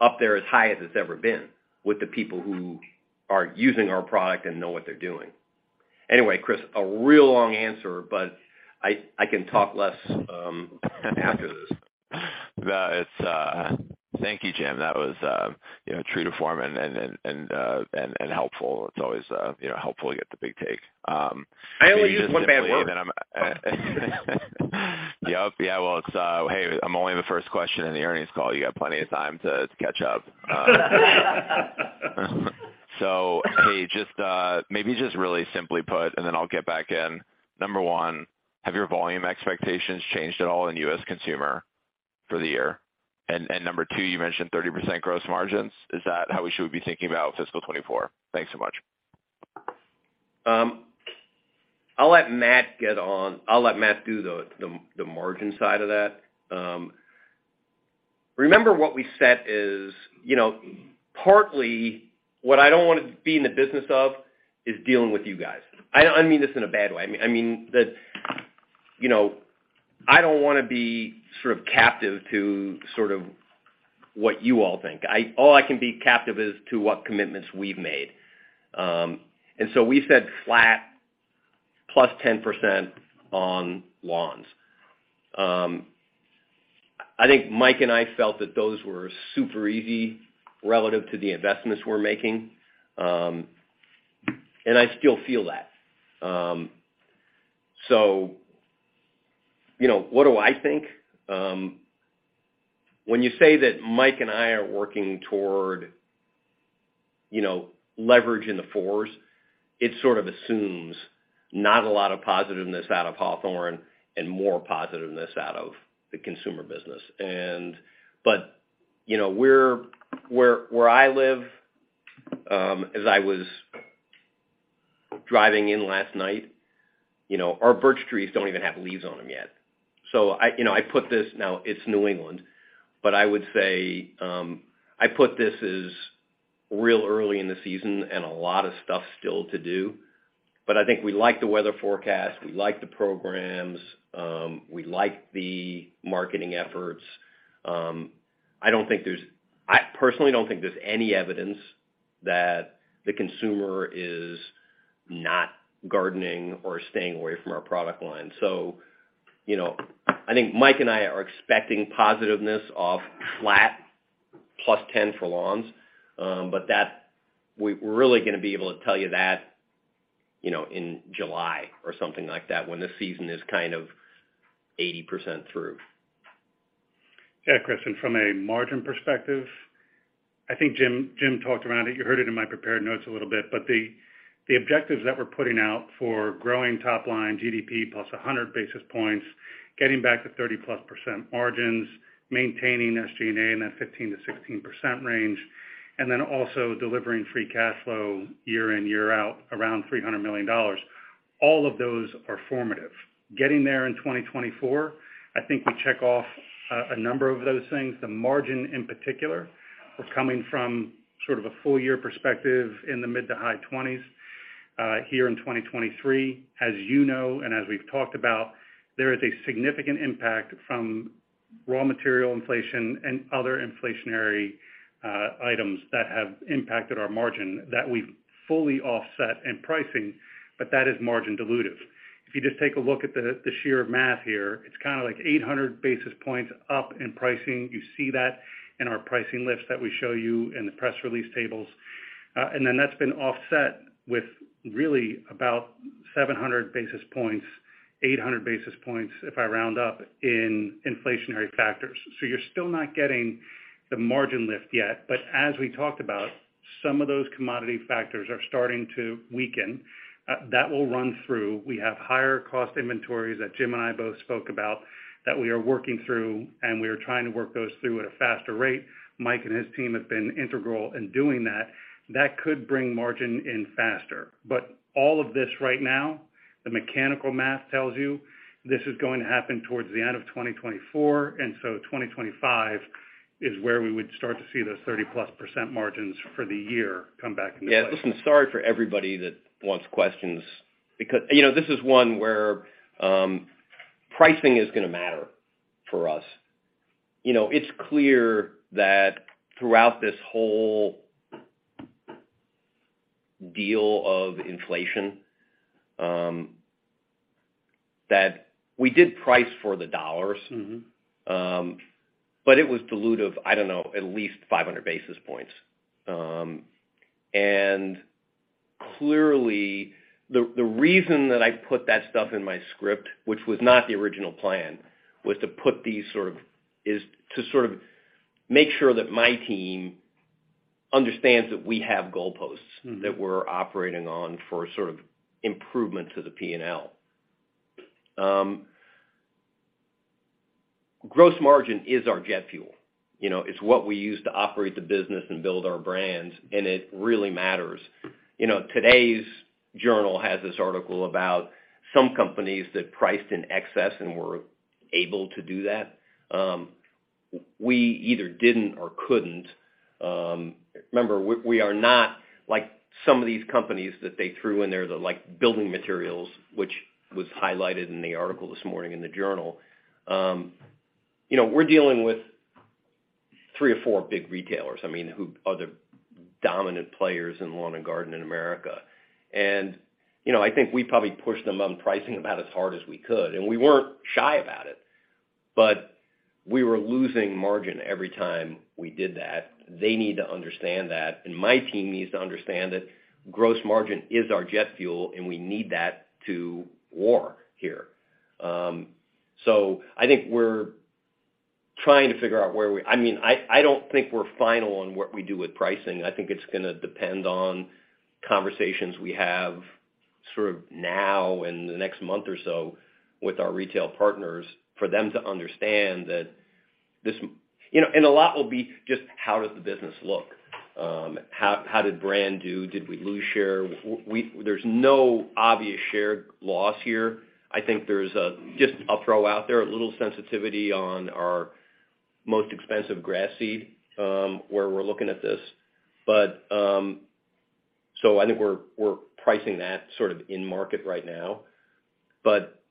[SPEAKER 3] up there as high as it's ever been with the people who are using our product and know what they're doing. Chris, a real long answer, but I can talk less after this.
[SPEAKER 6] Thank you, Jim. That was, you know, true to form and helpful. It's always, you know, helpful to get the big take.
[SPEAKER 3] I only used one bad word.
[SPEAKER 6] Yep. Yeah. Well, it's... Hey, I'm only the first question in the earnings call. You got plenty of time to catch up. Hey, just, maybe just really simply put, and then I'll get back in. Number one, have your volume expectations changed at all in U.S. consumer for the year? Number two, you mentioned 30% gross margins. Is that how we should be thinking about fiscal 2024? Thanks so much.
[SPEAKER 3] I'll let Matt do the, the margin side of that. Remember what we said is, you know, partly what I don't wanna be in the business of is dealing with you guys. I don't mean this in a bad way. I mean, I mean that, you know, I don't wanna be sort of captive to sort of what you all think. All I can be captive is to what commitments we've made. We said flat +10% on lawns. I think Mike and I felt that those were super easy relative to the investments we're making, and I still feel that. You know, what do I think? When you say that Mike and I are working toward, you know, leverage in the 4s, it sort of assumes not a lot of positiveness out of Hawthorne and more positiveness out of the consumer business. You know, where I live, as I was driving in last night, you know, our birch trees don't even have leaves on them yet. I, you know, I put this. Now, it's New England, but I would say, I put this as real early in the season and a lot of stuff still to do. I think we like the weather forecast. We like the programs. We like the marketing efforts. I personally don't think there's any evidence that the consumer is not gardening or staying away from our product line. you know, I think Mike and I are expecting positiveness of flat plus 10 for lawns. That we're really gonna be able to tell you that, you know, in July or something like that when the season is kind of 80% through.
[SPEAKER 5] Yeah, Chris, from a margin perspective, I think Jim talked around it. You heard it in my prepared notes a little bit. The objectives that we're putting out for growing top line GDP plus 100 basis points, getting back to 30-plus% margins, maintaining SG&A in that 15-16% range, also delivering free cash flow year in, year out around $300 million, all of those are formative. Getting there in 2024, I think we check off a number of those things. The margin, in particular, we're coming from sort of a full year perspective in the mid to high twenties here in 2023. As you know and as we've talked about, there is a significant impact from raw material inflation and other inflationary items that have impacted our margin that we've fully offset in pricing, but that is margin dilutive. If you just take a look at the sheer math here, it's kinda like 800 basis points up in pricing. You see that in our pricing lifts that we show you in the press release tables. That's been offset with really about 700 basis points, 800 basis points if I round up in inflationary factors. You're still not getting the margin lift yet. As we talked about, some of those commodity factors are starting to weaken. That will run through. We have higher cost inventories that Jim and I both spoke about that we are working through, and we are trying to work those through at a faster rate. Mike and his team have been integral in doing that. That could bring margin in faster. All of this right now, the mechanical math tells you this is going to happen towards the end of 2024. 2025 is where we would start to see those 30%+ margins for the year come back into play.
[SPEAKER 3] Yeah. Listen, sorry for everybody that wants questions because, you know, this is one where pricing is gonna matter for us. You know, it's clear that throughout this whole deal of inflation, that we did price for the dollars. It was dilutive, I don't know, at least 500 basis points. Clearly, the reason that I put that stuff in my script, which was not the original plan, was to sort of make sure that my team understands that we have goalposts-... that we're operating on for sort of improvement to the P&L. Gross margin is our jet fuel. You know, it's what we use to operate the business and build our brands, and it really matters. You know, today's Journal has this article about some companies that priced in excess and were able to do that. We either didn't or couldn't. Remember, we are not like some of these companies that they threw in there, the, like, building materials, which was highlighted in the article this morning in the Journal. You know, we're dealing with three or four big retailers, I mean, who are the dominant players in lawn and garden in America. You know, I think we probably pushed them on pricing about as hard as we could, and we weren't shy about it, but we were losing margin every time we did that. My team needs to understand that gross margin is our jet fuel, and we need that to war here. I mean, I don't think we're final on what we do with pricing. I think it's gonna depend on conversations we have sort of now and the next month or so with our retail partners for them to understand. You know, a lot will be just how does the business look? How did brand do? Did we lose share? We there's no obvious share loss here. Just I'll throw out there, a little sensitivity on our most expensive grass seed, where we're looking at this. So I think we're pricing that sort of in market right now.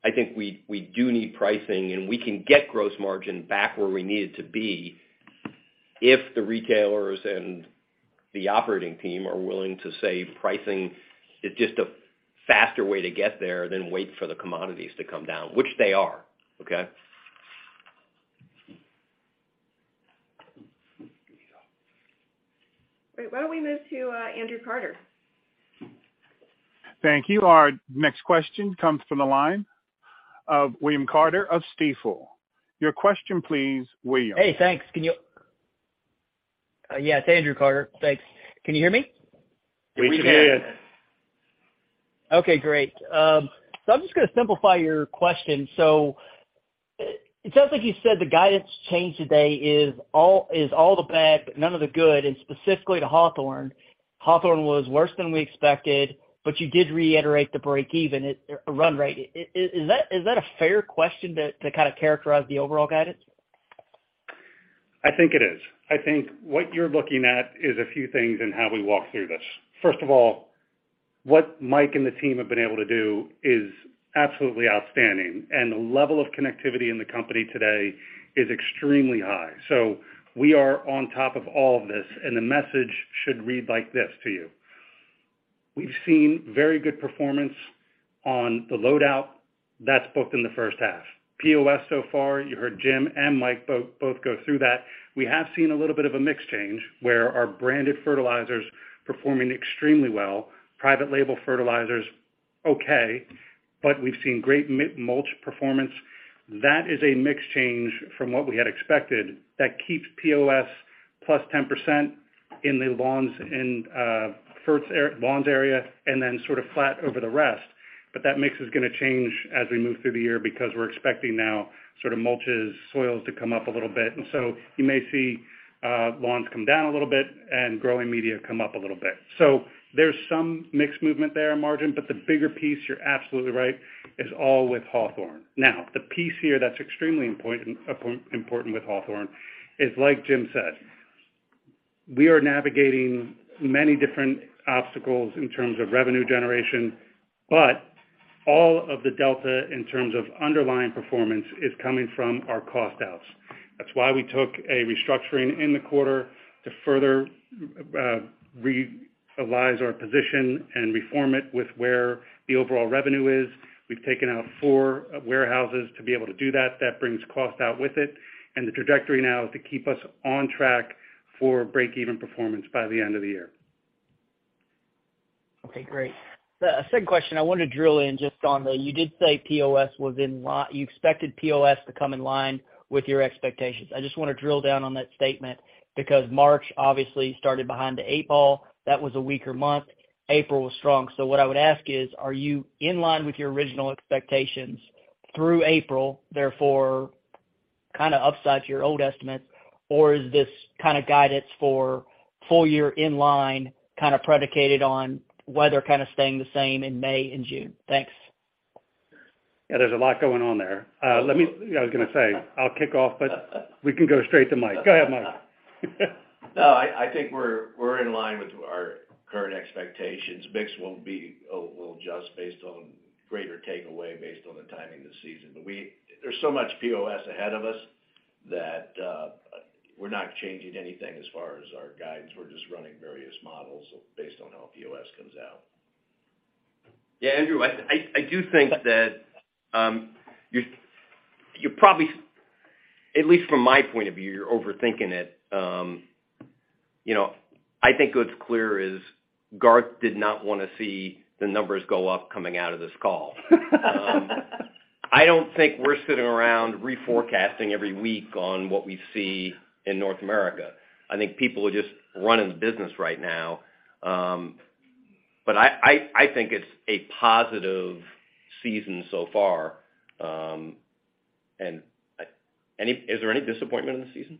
[SPEAKER 3] I think we do need pricing, and we can get gross margin back where we need it to be if the retailers and the operating team are willing to say pricing is just a faster way to get there than wait for the commodities to come down, which they are. Okay?
[SPEAKER 2] Wait, why don't we move to Andrew Carter?
[SPEAKER 1] Thank you. Our next question comes from the line of William Carter of Stifel. Your question, please, William.
[SPEAKER 7] Hey, thanks. Yes, Andrew Carter. Thanks. Can you hear me?
[SPEAKER 5] We can.
[SPEAKER 3] We can.
[SPEAKER 7] Okay, great. I'm just gonna simplify your question. It sounds like you said the guidance change today is all the bad, but none of the good. Specifically to Hawthorne was worse than we expected, but you did reiterate the break-even or run rate. Is that a fair question to kind of characterize the overall guidance?
[SPEAKER 5] I think it is. I think what you're looking at is a few things in how we walk through this. First of all, what Mike and the team have been able to do is absolutely outstanding, and the level of connectivity in the company today is extremely high. We are on top of all of this, and the message should read like this to you. We've seen very good performance on the load-out. That's booked in the first half. POS so far, you heard Jim and Mike both go through that. We have seen a little bit of a mix change where our branded fertilizer is performing extremely well, private label fertilizers, okay. We've seen great mulch performance. That is a mix change from what we had expected that keeps POS plus 10% in the lawns and ferts lawns area and then sort of flat over the rest. That mix is gonna change as we move through the year because we're expecting now sort of mulches, soils to come up a little bit. You may see lawns come down a little bit and growing media come up a little bit. There's some mix movement there in margin, but the bigger piece, you're absolutely right, is all with Hawthorne. Now, the piece here that's extremely important with Hawthorne is like Jim said, we are navigating many different obstacles in terms of revenue generation, but all of the delta in terms of underlying performance is coming from our cost outs. That's why we took a restructuring in the quarter to further realign our position and reform it with where the overall revenue is. We've taken out 4 warehouses to be able to do that brings cost out with it. The trajectory now is to keep us on track for break-even performance by the end of the year.
[SPEAKER 7] Okay, great. Second question, I wanted to drill in just you did say POS was you expected POS to come in line with your expectations. I just wanna drill down on that statement because March obviously started behind the eight ball. That was a weaker month. April was strong. What I would ask is, are you in line with your original expectations through April, therefore kinda upside to your old estimate? Or is this kind of guidance for full-year in line, kinda predicated on weather kinda staying the same in May and June? Thanks.
[SPEAKER 5] Yeah, there's a lot going on there. I was gonna say, I'll kick off. We can go straight to Mike. Go ahead, Mike.
[SPEAKER 4] No, I think we're in line with our current expectations. Mix, we'll adjust based on greater takeaway based on the timing of the season. There's so much POS ahead of us that, we're not changing anything as far as our guidance. We're just running various models based on how POS comes out.
[SPEAKER 3] Yeah, Andrew, I do think that, at least from my point of view, you're overthinking it. You know, I think what's clear is Garth did not wanna see the numbers go up coming out of this call. I don't think we're sitting around reforecasting every week on what we see in North America. I think people are just running the business right now. I think it's a positive season so far, is there any disappointment in the season?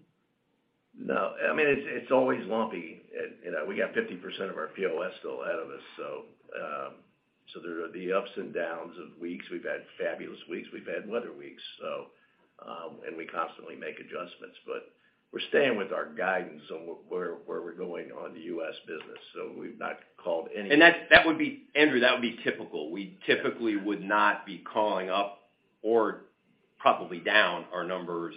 [SPEAKER 4] No. I mean, it's always lumpy, and, you know, we got 50% of our POS still ahead of us. There are the ups and downs of weeks. We've had fabulous weeks, we've had weather weeks. We constantly make adjustments, but we're staying with our guidance on where we're going on the U.S. business, so we've not called any.
[SPEAKER 3] That would be Andrew, that would be typical. We typically would not be calling up or probably down our numbers,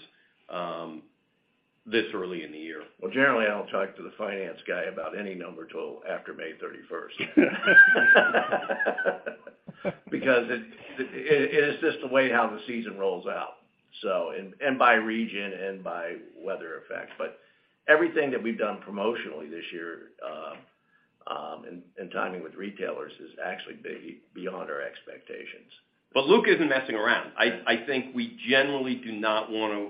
[SPEAKER 3] this early in the year.
[SPEAKER 4] Well, generally, I don't talk to the finance guy about any number till after May 31st. It is just the way how the season rolls out. By region and by weather effects. Everything that we've done promotionally this year, and timing with retailers is actually beyond our expectations.
[SPEAKER 3] Luke isn't messing around. I think we generally do not want to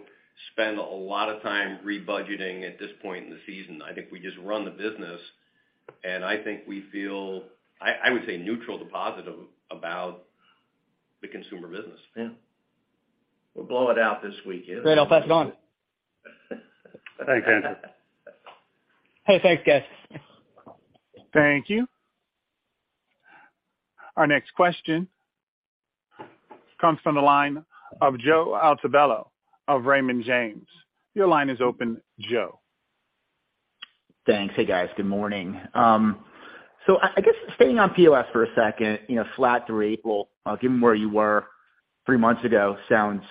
[SPEAKER 3] spend a lot of time rebudgeting at this point in the season. I think we just run the business, and I think we feel, I would say neutral to positive about the consumer business.
[SPEAKER 4] Yeah. We'll blow it out this weekend.
[SPEAKER 1] Great. I'll pass it on.
[SPEAKER 5] Thanks, Andrew.
[SPEAKER 1] Hey, thanks, guys. Thank you. Our next question comes from the line of Joe Altobello of Raymond James. Your line is open, Joe.
[SPEAKER 8] Thanks. Hey, guys. Good morning. I guess staying on POS for a second, you know, flat through April, given where you were 3 months ago, sounds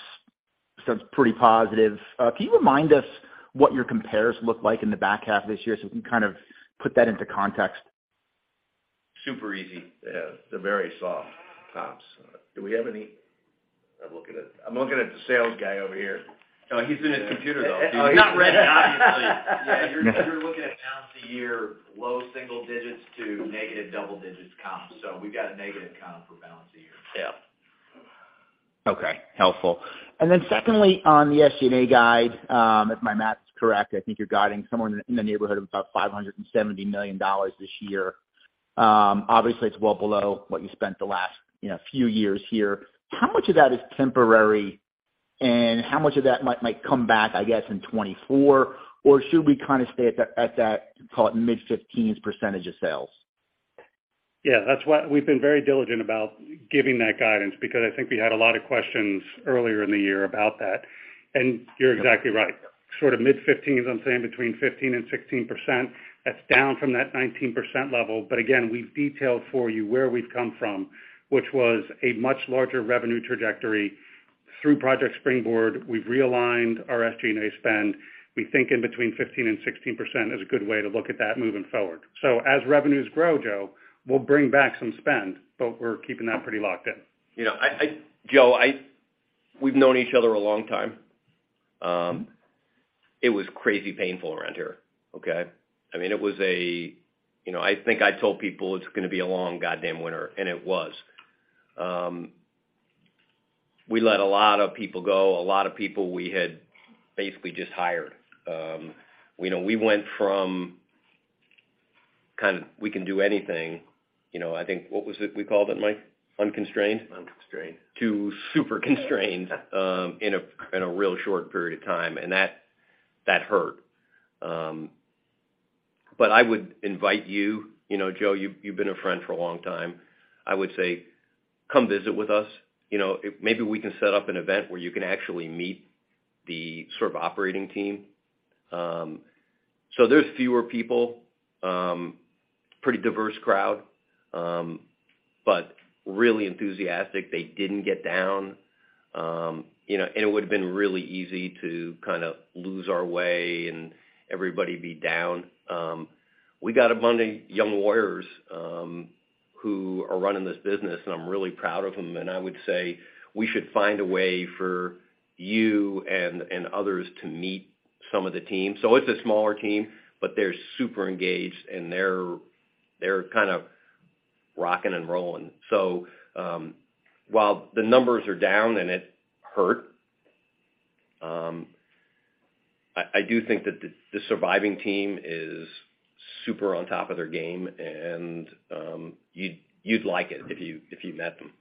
[SPEAKER 8] pretty positive. Can you remind us what your compares look like in the back half of this year so we can kind of put that into context?
[SPEAKER 3] Super easy.
[SPEAKER 4] Yeah. They're very soft comps. Do we have any... I'm looking at the sales guy over here.
[SPEAKER 3] No, he's in his computer, though.
[SPEAKER 4] He's not ready, obviously. You're looking at balance of the year, low single digits to negative double digits comps. We've got a negative comp for balance of the year.
[SPEAKER 3] Yeah.
[SPEAKER 8] Okay. Helpful. Secondly, on the SG&A guide, if my math's correct, I think you're guiding somewhere in the, in the neighborhood of about $570 million this year. Obviously, it's well below what you spent the last, you know, few years here. How much of that is temporary, and how much of that might come back, I guess, in 2024? Should we kinda stay at that, call it mid-15s % of sales?
[SPEAKER 5] Yeah, that's why we've been very diligent about giving that guidance because I think we had a lot of questions earlier in the year about that. You're exactly right, sort of mid-15, as I'm saying, between 15 and 16%. That's down from that 19% level. Again, we've detailed for you where we've come from, which was a much larger revenue trajectory. Through Project Springboard, we've realigned our SG&A spend. We think in between 15 and 16% is a good way to look at that moving forward. As revenues grow, Joe, we'll bring back some spend, but we're keeping that pretty locked in.
[SPEAKER 3] You know, Joe, we've known each other a long time. It was crazy painful around here, okay? I mean, it was. You know, I think I told people it's gonna be a long goddamn winter, and it was. We let a lot of people go, a lot of people we had basically just hired. You know, we went from kind of, we can do anything, you know. I think, what was it we called it, Mike? Unconstrained?
[SPEAKER 4] Unconstrained.
[SPEAKER 3] To super constrained, in a, in a real short period of time, and that hurt. I would invite you know, Joe, you've been a friend for a long time. I would say, come visit with us. You know, maybe we can set up an event where you can actually meet the sort of operating team. There's fewer people, pretty diverse crowd, but really enthusiastic. They didn't get down. You know, and it would've been really easy to kind of lose our way and everybody be down. We got a bunch of young warriors, who are running this business, and I'm really proud of them. I would say we should find a way for you and others to meet some of the team. It's a smaller team, but they're super engaged, and they're kind of rocking and rolling. While the numbers are down and it hurt, I do think that the surviving team is super on top of their game, and you'd like it if you met them.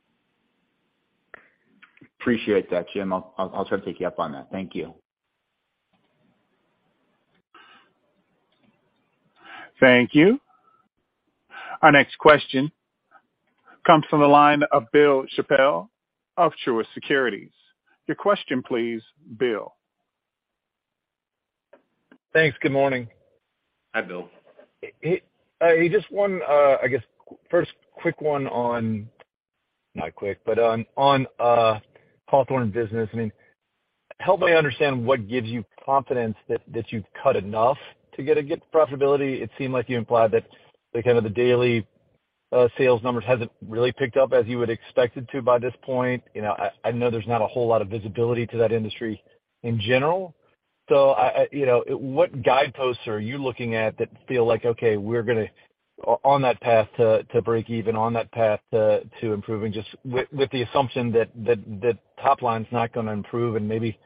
[SPEAKER 8] Appreciate that, Jim. I'll try to take you up on that. Thank you.
[SPEAKER 1] Thank you. Our next question comes from the line of Bill Chappell of Truist Securities. Your question please, Bill.
[SPEAKER 9] Thanks. Good morning.
[SPEAKER 3] Hi, Bill.
[SPEAKER 9] Hey, just one, I guess first quick one, not quick, but on Hawthorne business. I mean, help me understand what gives you confidence that you've cut enough to get a good profitability. It seemed like you implied that the kind of the daily sales numbers hasn't really picked up as you would expect it to by this point. You know, I know there's not a whole lot of visibility to that industry in general. You know, what guideposts are you looking at that feel like, okay, we're gonna on that path to break even, on that path to improving just with the assumption that top line is not gonna improve and maybe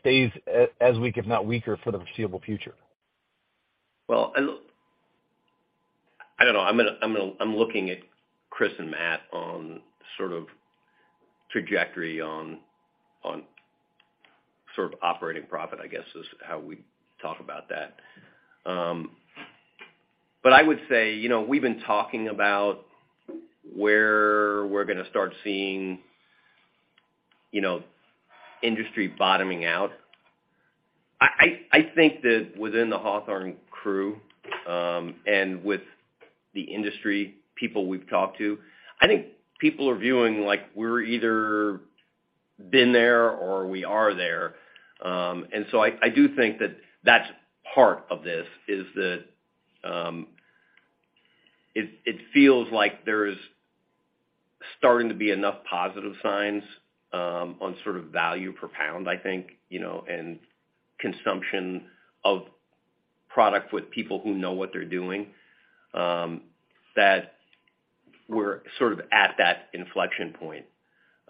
[SPEAKER 9] stays as weak, if not weaker, for the foreseeable future?
[SPEAKER 3] Well, I don't know. I'm gonna I'm looking at Chris and Matt on sort of trajectory on sort of operating profit, I guess, is how we talk about that. I would say, you know, we've been talking about where we're gonna start seeing, you know, industry bottoming out. I think that within the Hawthorne crew, and with the industry people we've talked to, I think people are viewing like we're either been there or we are there. I do think that that's part of this, is that, it feels like there's starting to be enough positive signs, on sort of value per pound, I think, you know, and consumption of product with people who know what they're doing, that we're sort of at that inflection point.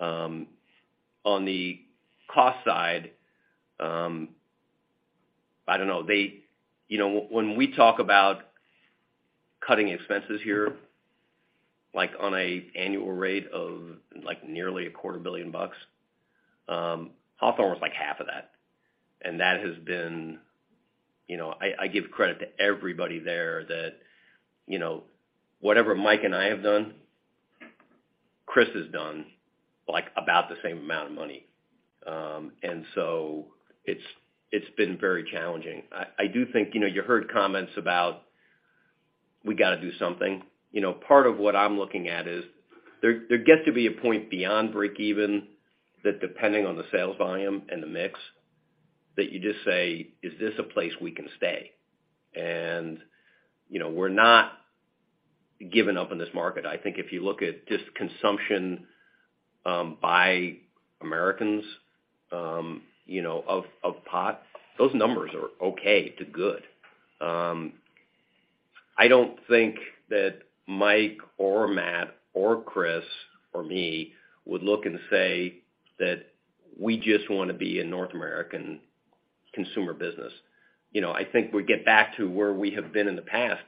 [SPEAKER 3] On the cost side, I don't know. You know, when we talk about cutting expenses here, like on a annual rate of like nearly a quarter billion bucks, Hawthorne was like half of that. That has been, you know, I give credit to everybody there that, you know, whatever Mike and I have done, Chris has done, like about the same amount of money. So it's been very challenging. I do think, you know, you heard comments about we gotta do something. You know, part of what I'm looking at is there gets to be a point beyond break even that depending on the sales volume and the mix that you just say, "Is this a place we can stay?" You know, we're not giving up on this market. I think if you look at just consumption, by Americans, you know, of pot, those numbers are okay to good. I don't think that Mike or Matt or Chris or me would look and say that we just wanna be a North American consumer business. You know, I think we get back to where we have been in the past,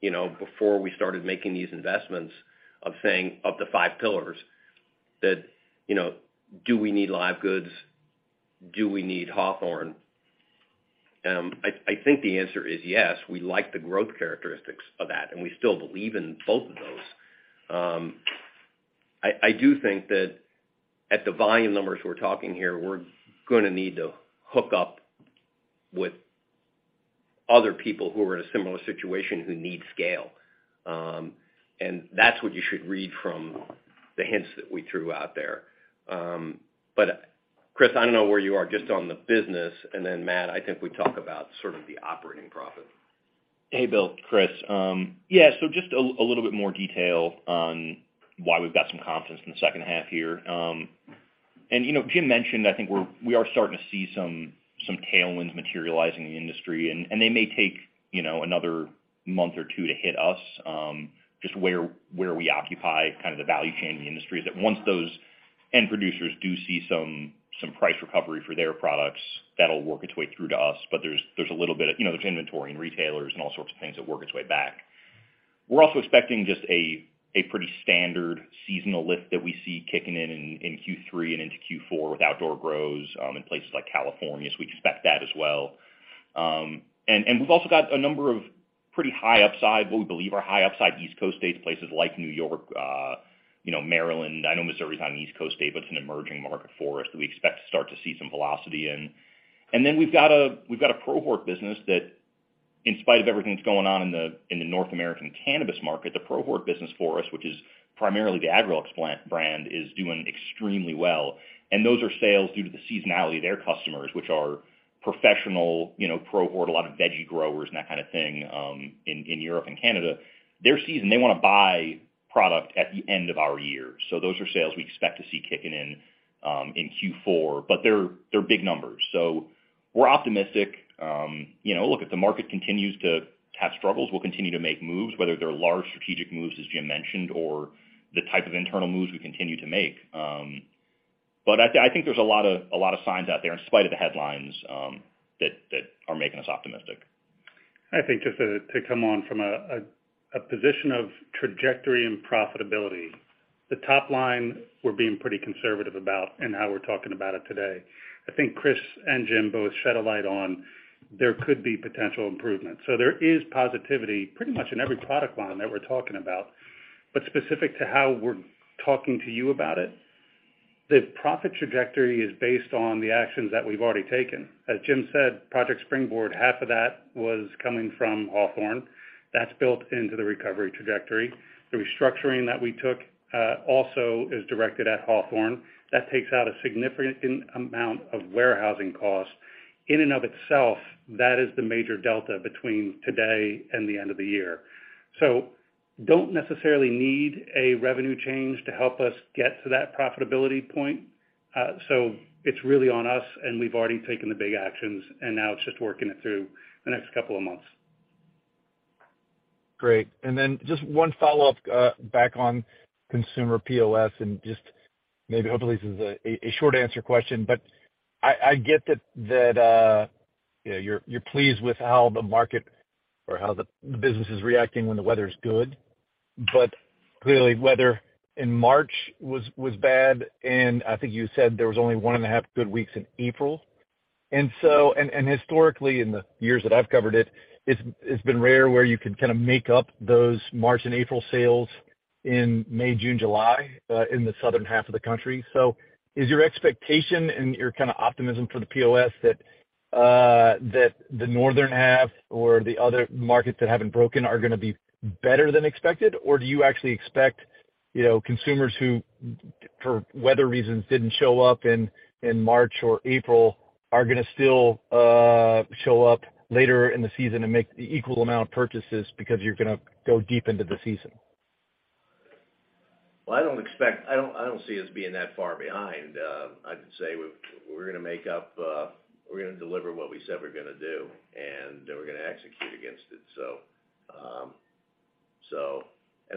[SPEAKER 3] you know, before we started making these investments of saying of the five pillars that, you know, do we need live goods? Do we need Hawthorne? I think the answer is yes. We like the growth characteristics of that, and we still believe in both of those. I do think that at the volume numbers we're talking here, we're gonna need to hook up with other people who are in a similar situation who need scale. That's what you should read from the hints that we threw out there. Chris, I don't know where you are just on the business, and then Matt, I think we talk about sort of the operating profit.
[SPEAKER 10] Hey, Bill. Chris. Yeah, so just a little bit more detail on why we've got some confidence in the second half here. You know, Jim mentioned, I think we are starting to see some tailwinds materializing in the industry, and they may take, you know, another month or two to hit us, just where we occupy kind of the value chain in the industry. That once those end producers do see some price recovery for their products, that'll work its way through to us. There's a little bit of... You know, there's inventory in retailers and all sorts of things that work its way back. We're also expecting just a pretty standard seasonal lift that we see kicking in in Q3 and into Q4 with outdoor grows in places like California. We expect that as well. And we've also got a number of pretty high upside, what we believe are high upside East Coast states, places like New York, you know, Maryland. I know Missouri is not an East Coast state, but it's an emerging market for us that we expect to start to see some velocity in. Then we've got a, we've got a ProHort business that in spite of everything that's going on in the, in the North American cannabis market, the ProHort business for us, which is primarily the Agrolux brand, is doing extremely well. Those are sales due to the seasonality of their customers, which are professional, you know, ProHort, a lot of veggie growers and that kind of thing, in Europe and Canada. Their season, they wanna buy product at the end of our year. Those are sales we expect to see kicking in Q4, but they're big numbers. We're optimistic. You know, look, if the market continues to have struggles, we'll continue to make moves, whether they're large strategic moves, as Jim mentioned, or the type of internal moves we continue to make. I think there's a lot of signs out there in spite of the headlines, that are making us optimistic.
[SPEAKER 3] I think just to come on from a position of trajectory and profitability.
[SPEAKER 5] The top line we're being pretty conservative about and how we're talking about it today. I think Chris and Jim both shed a light on there could be potential improvements. There is positivity pretty much in every product line that we're talking about. Specific to how we're talking to you about it, the profit trajectory is based on the actions that we've already taken. As Jim said, Project Springboard, half of that was coming from Hawthorne. That's built into the recovery trajectory. The restructuring that we took, also is directed at Hawthorne. That takes out a significant amount of warehousing costs. In and of itself, that is the major delta between today and the end of the year. Don't necessarily need a revenue change to help us get to that profitability point. It's really on us, and we've already taken the big actions, and now it's just working it through the next couple of months.
[SPEAKER 9] Great. Just one follow-up, back on consumer POS and just maybe, hopefully, this is a short answer question, but I get that, you know, you're pleased with how the market or how the business is reacting when the weather's good. Clearly, weather in March was bad, and I think you said there was only 1 and a half good weeks in April. Historically, in the years that I've covered it's been rare where you could kinda make up those March and April sales in May, June, July, in the southern half of the country. Is your expectation and your kinda optimism for the POS that the northern half or the other markets that haven't broken are gonna be better than expected? Do you actually expect, you know, consumers who, for weather reasons, didn't show up in March or April are gonna still show up later in the season and make the equal amount of purchases because you're gonna go deep into the season?
[SPEAKER 4] Well, I don't expect. I don't see us being that far behind. I'd say we're gonna make up, we're gonna deliver what we said we're gonna do, and then we're gonna execute against it.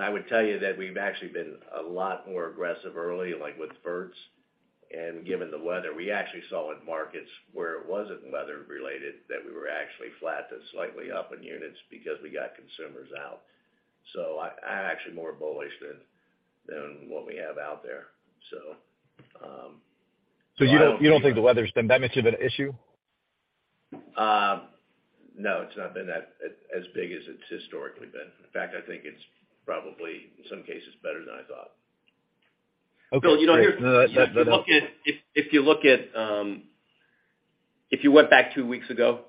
[SPEAKER 4] I would tell you that we've actually been a lot more aggressive early, like with fertilizer. Given the weather, we actually saw in markets where it wasn't weather-related, that we were actually flat to slightly up in units because we got consumers out. I'm actually more bullish than what we have out there. I don't.
[SPEAKER 9] You don't think the weather's been that much of an issue?
[SPEAKER 4] No, it's not been that, as big as it's historically been. In fact, I think it's probably, in some cases, better than I thought.
[SPEAKER 9] Okay.
[SPEAKER 5] Bill, you know.
[SPEAKER 4] Yeah.
[SPEAKER 5] If you look at. If you went back two weeks ago,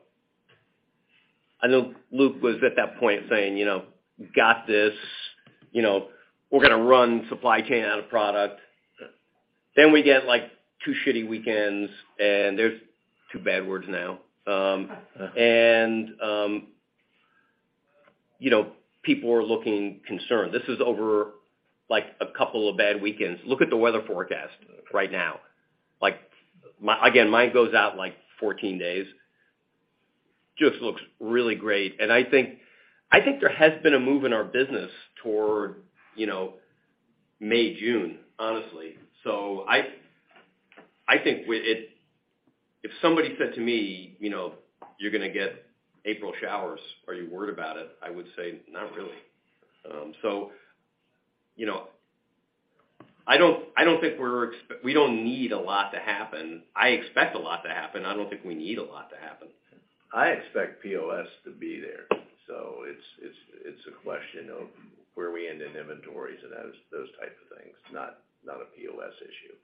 [SPEAKER 5] I know Luke was at that point saying, "You know, we've got this. You know, we're gonna run supply chain out of product." We get, like, two shity weekends, and there's two bad words now. You know, people are looking concerned. This is over, like, a couple of bad weekends. Look at the weather forecast right now. Like, again, mine goes out, like, 14 days. Just looks really great. I think there has been a move in our business toward, you know, May, June, honestly. I think if somebody said to me, you know, "You're going to get April showers, are you worried about it?" I would say, "Not really." you know, I don't think we don't need a lot to happen. I expect a lot to happen. I don't think we need a lot to happen.
[SPEAKER 4] I expect POS to be there. It's a question of where we end in inventories and those types of things, not a POS issue.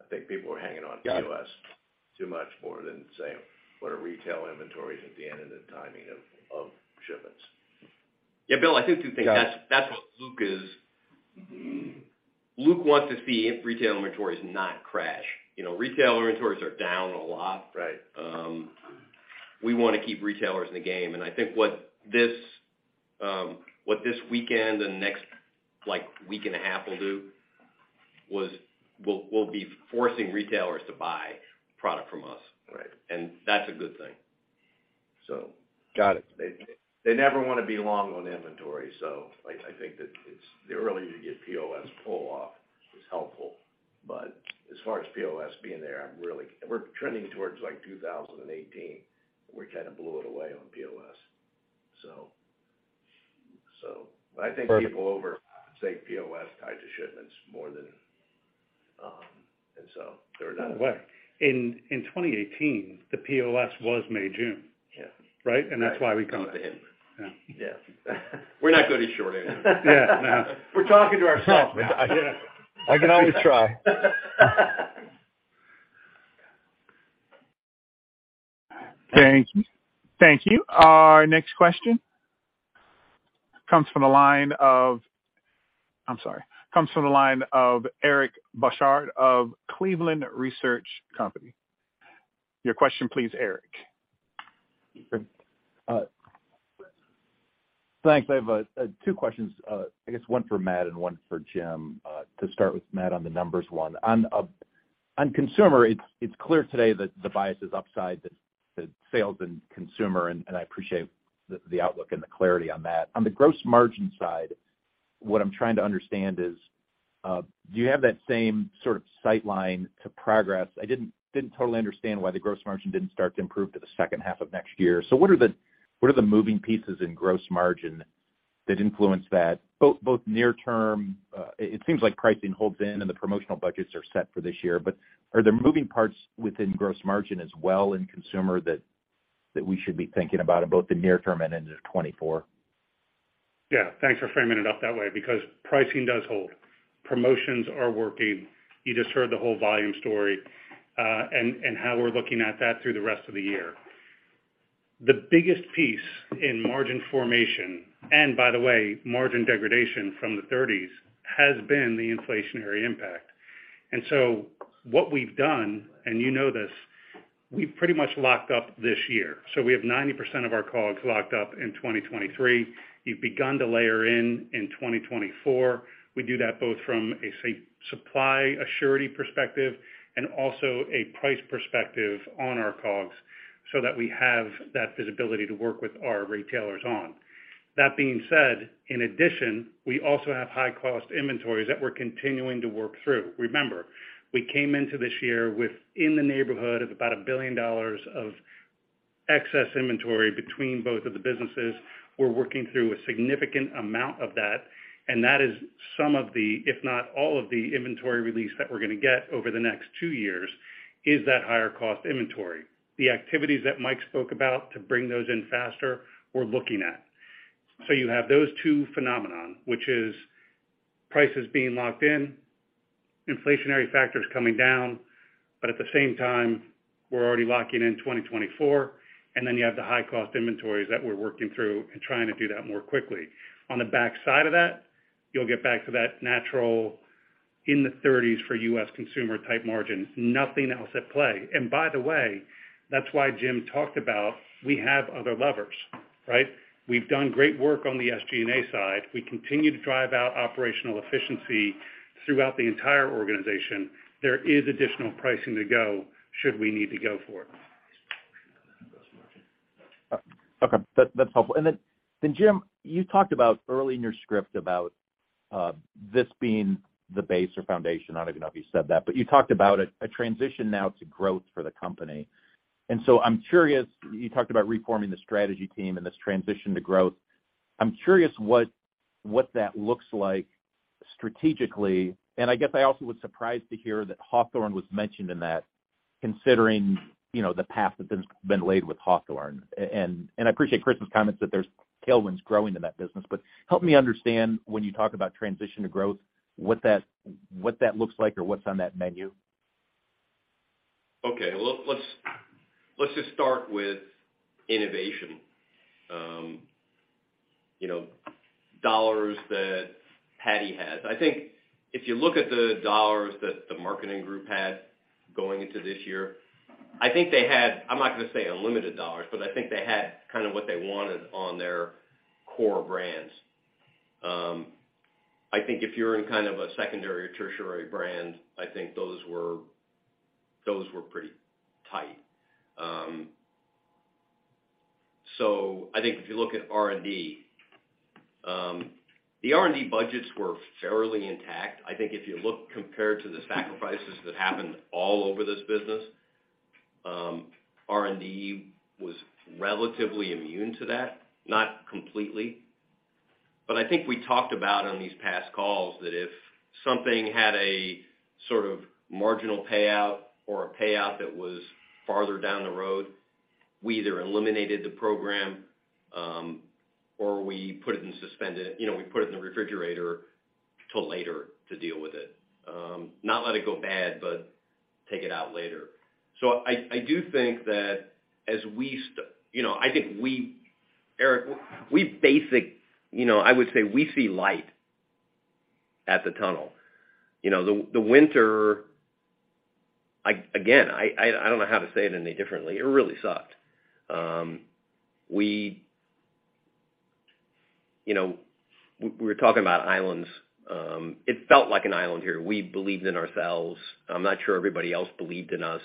[SPEAKER 4] I think people are hanging on POS too much more than saying, "What are retail inventories at the end and the timing of shipments?
[SPEAKER 5] Yeah, Bill, I think two things.
[SPEAKER 9] Yeah.
[SPEAKER 5] That's what Luke wants to see if retail inventories not crash. You know, retail inventories are down a lot.
[SPEAKER 9] Right.
[SPEAKER 5] We wanna keep retailers in the game. I think what this, what this weekend and next, like, week and a half will do was we'll be forcing retailers to buy product from us.
[SPEAKER 9] Right.
[SPEAKER 5] That's a good thing.
[SPEAKER 9] Got it.
[SPEAKER 4] They never wanna be long on inventory. I think that the early to get POS pull-off is helpful. As far as POS being there, I'm really we're trending towards, like, 2018. We kinda blew it away on POS. I think people over, say, POS tied to shipments more than they're done.
[SPEAKER 5] By the way, in 2018, the POS was May, June.
[SPEAKER 4] Yeah.
[SPEAKER 5] Right? That's why we come-.
[SPEAKER 4] According to him.
[SPEAKER 5] Yeah.
[SPEAKER 4] Yeah.
[SPEAKER 5] We're not good at short answers.
[SPEAKER 9] Yeah. No.
[SPEAKER 4] We're talking to ourselves now.
[SPEAKER 9] I can always try.
[SPEAKER 1] Thank you. Our next question comes from the line of Eric Bosshard of Cleveland Research Company. Your question please, Eric.
[SPEAKER 11] Thanks. I have 2 questions, I guess 1 for Matt and 1 for Jim. To start with Matt on the numbers 1. On consumer, it's clear today that the bias is upside, the sales and consumer, and I appreciate the outlook and the clarity on that. On the gross margin side, what I'm trying to understand is, do you have that same sort of sightline to progress? I didn't totally understand why the gross margin didn't start to improve till the second half of next year. What are the moving pieces in gross margin that influence that, both near term, it seems like pricing holds in and the promotional budgets are set for this year, but are there moving parts within gross margin as well in consumer that we should be thinking about in both the near term and into 2024?
[SPEAKER 5] Yeah. Thanks for framing it up that way because pricing does hold. Promotions are working. You just heard the whole volume story, and how we're looking at that through the rest of the year. The biggest piece in margin formation, and by the way, margin degradation from the 30s, has been the inflationary impact. What we've done, and you know this, we've pretty much locked up this year. We have 90% of our COGS locked up in 2023. We've begun to layer in in 2024. We do that both from a supply assurity perspective and also a price perspective on our COGS, so that we have that visibility to work with our retailers on. That being said, in addition, we also have high-cost inventories that we're continuing to work through. Remember, we came into this year with in the neighborhood of about $1 billion of excess inventory between both of the businesses. We're working through a significant amount of that, and that is some of the, if not all of the inventory release that we're gonna get over the next 2 years, is that higher cost inventory. The activities that Mike spoke about to bring those in faster, we're looking at. You have those 2 phenomenon, which is prices being locked in, inflationary factors coming down. At the same time, we're already locking in 2024. Then you have the high-cost inventories that we're working through and trying to do that more quickly. On the backside of that, you'll get back to that natural in the 30s for U.S. consumer type margin. Nothing else at play. By the way, that's why Jim talked about we have other levers, right? We've done great work on the SG&A side. We continue to drive out operational efficiency throughout the entire organization. There is additional pricing to go should we need to go for it.
[SPEAKER 11] Okay. That's helpful. Then Jim, you talked about early in your script about this being the base or foundation. I don't even know if you said that, but you talked about a transition now to growth for the company. I'm curious, you talked about reforming the strategy team and this transition to growth. I'm curious what that looks like strategically. I guess I also was surprised to hear that Hawthorne was mentioned in that, considering, you know, the path that's been laid with Hawthorne. And I appreciate Chris's comments that there's tailwinds growing in that business. Help me understand when you talk about transition to growth, what that looks like or what's on that menu.
[SPEAKER 3] Okay. Well, let's just start with innovation. You know, dollars that Patti has. I think if you look at the dollars that the marketing group had going into this year, I think they had, I'm not gonna say unlimited dollars, but I think they had kind of what they wanted on their core brands. I think if you're in kind of a secondary or tertiary brand, I think those were pretty tight. I think if you look at R&D, the R&D budgets were fairly intact. I think if you look compared to the sacrifices that happened all over this business, R&D was relatively immune to that, not completely. I think we talked about on these past calls that if something had a sort of marginal payout or a payout that was farther down the road, we either eliminated the program, or we put it in, you know, we put it in the refrigerator till later to deal with it. Not let it go bad, but take it out later. I do think that as we You know, I think we Eric, we basic. You know, I would say we see light at the tunnel. You know, the winter, again, I, I don't know how to say it any differently, it really sucked. We. You know, we're talking about islands. It felt like an island here. We believed in ourselves. I'm not sure everybody else believed in us.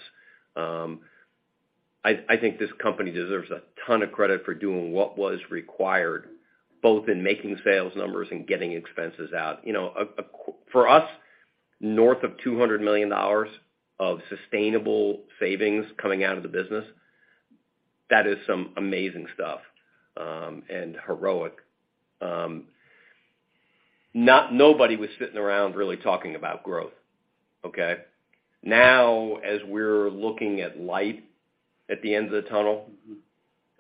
[SPEAKER 3] I think this company deserves a ton of credit for doing what was required, both in making sales numbers and getting expenses out. You know, for us, north of $200 million of sustainable savings coming out of the business, that is some amazing stuff, and heroic. Nobody was sitting around really talking about growth, okay? Now, as we're looking at light at the end of the tunnel,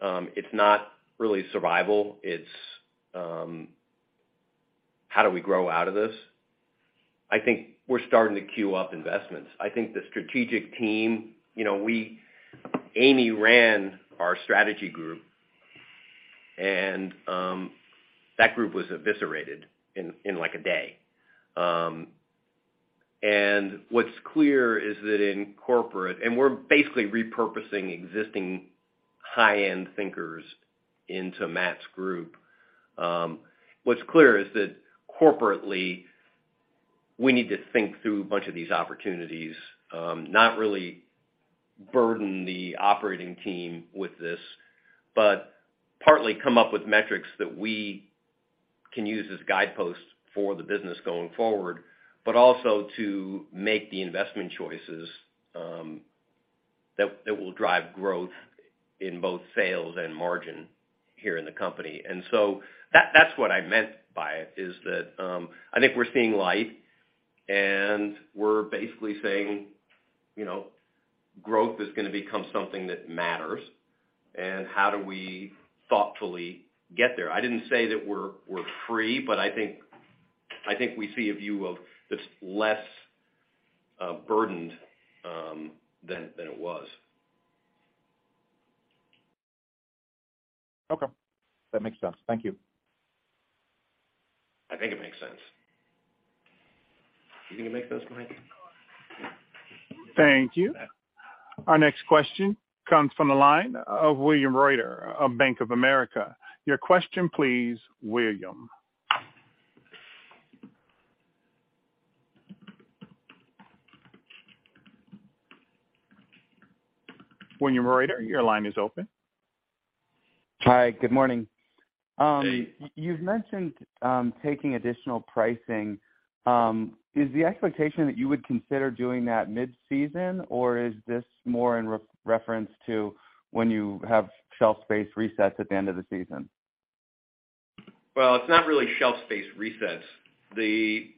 [SPEAKER 3] it's not really survival, it's how do we grow out of this? I think we're starting to queue up investments. I think the strategic team, you know, we Amy ran our strategy group, and that group was eviscerated in, like, a day. What's clear is that in corporate, and we're basically repurposing existing high-end thinkers into Matt's group. What's clear is that corporately, we need to think through a bunch of these opportunities, not really burden the operating team with this, but partly come up with metrics that we can use as guideposts for the business going forward, but also to make the investment choices that will drive growth in both sales and margin here in the company. That's what I meant by it, is that, I think we're seeing light, and we're basically saying, you know, growth is gonna become something that matters, and how do we thoughtfully get there? I didn't say that we're free, but I think we see a view of this less burdened than it was.
[SPEAKER 1] Okay. That makes sense. Thank you.
[SPEAKER 3] I think it makes sense. You gonna make those, Mike?
[SPEAKER 1] Thank you. Our next question comes from the line of William Reuter of Bank of America. Your question, please, William. William Reuter, your line is open.
[SPEAKER 12] Hi, good morning.
[SPEAKER 3] Hey.
[SPEAKER 12] You've mentioned taking additional pricing. Is the expectation that you would consider doing that mid-season, or is this more in reference to when you have shelf space resets at the end of the season?
[SPEAKER 3] Well, it's not really shelf space resets. The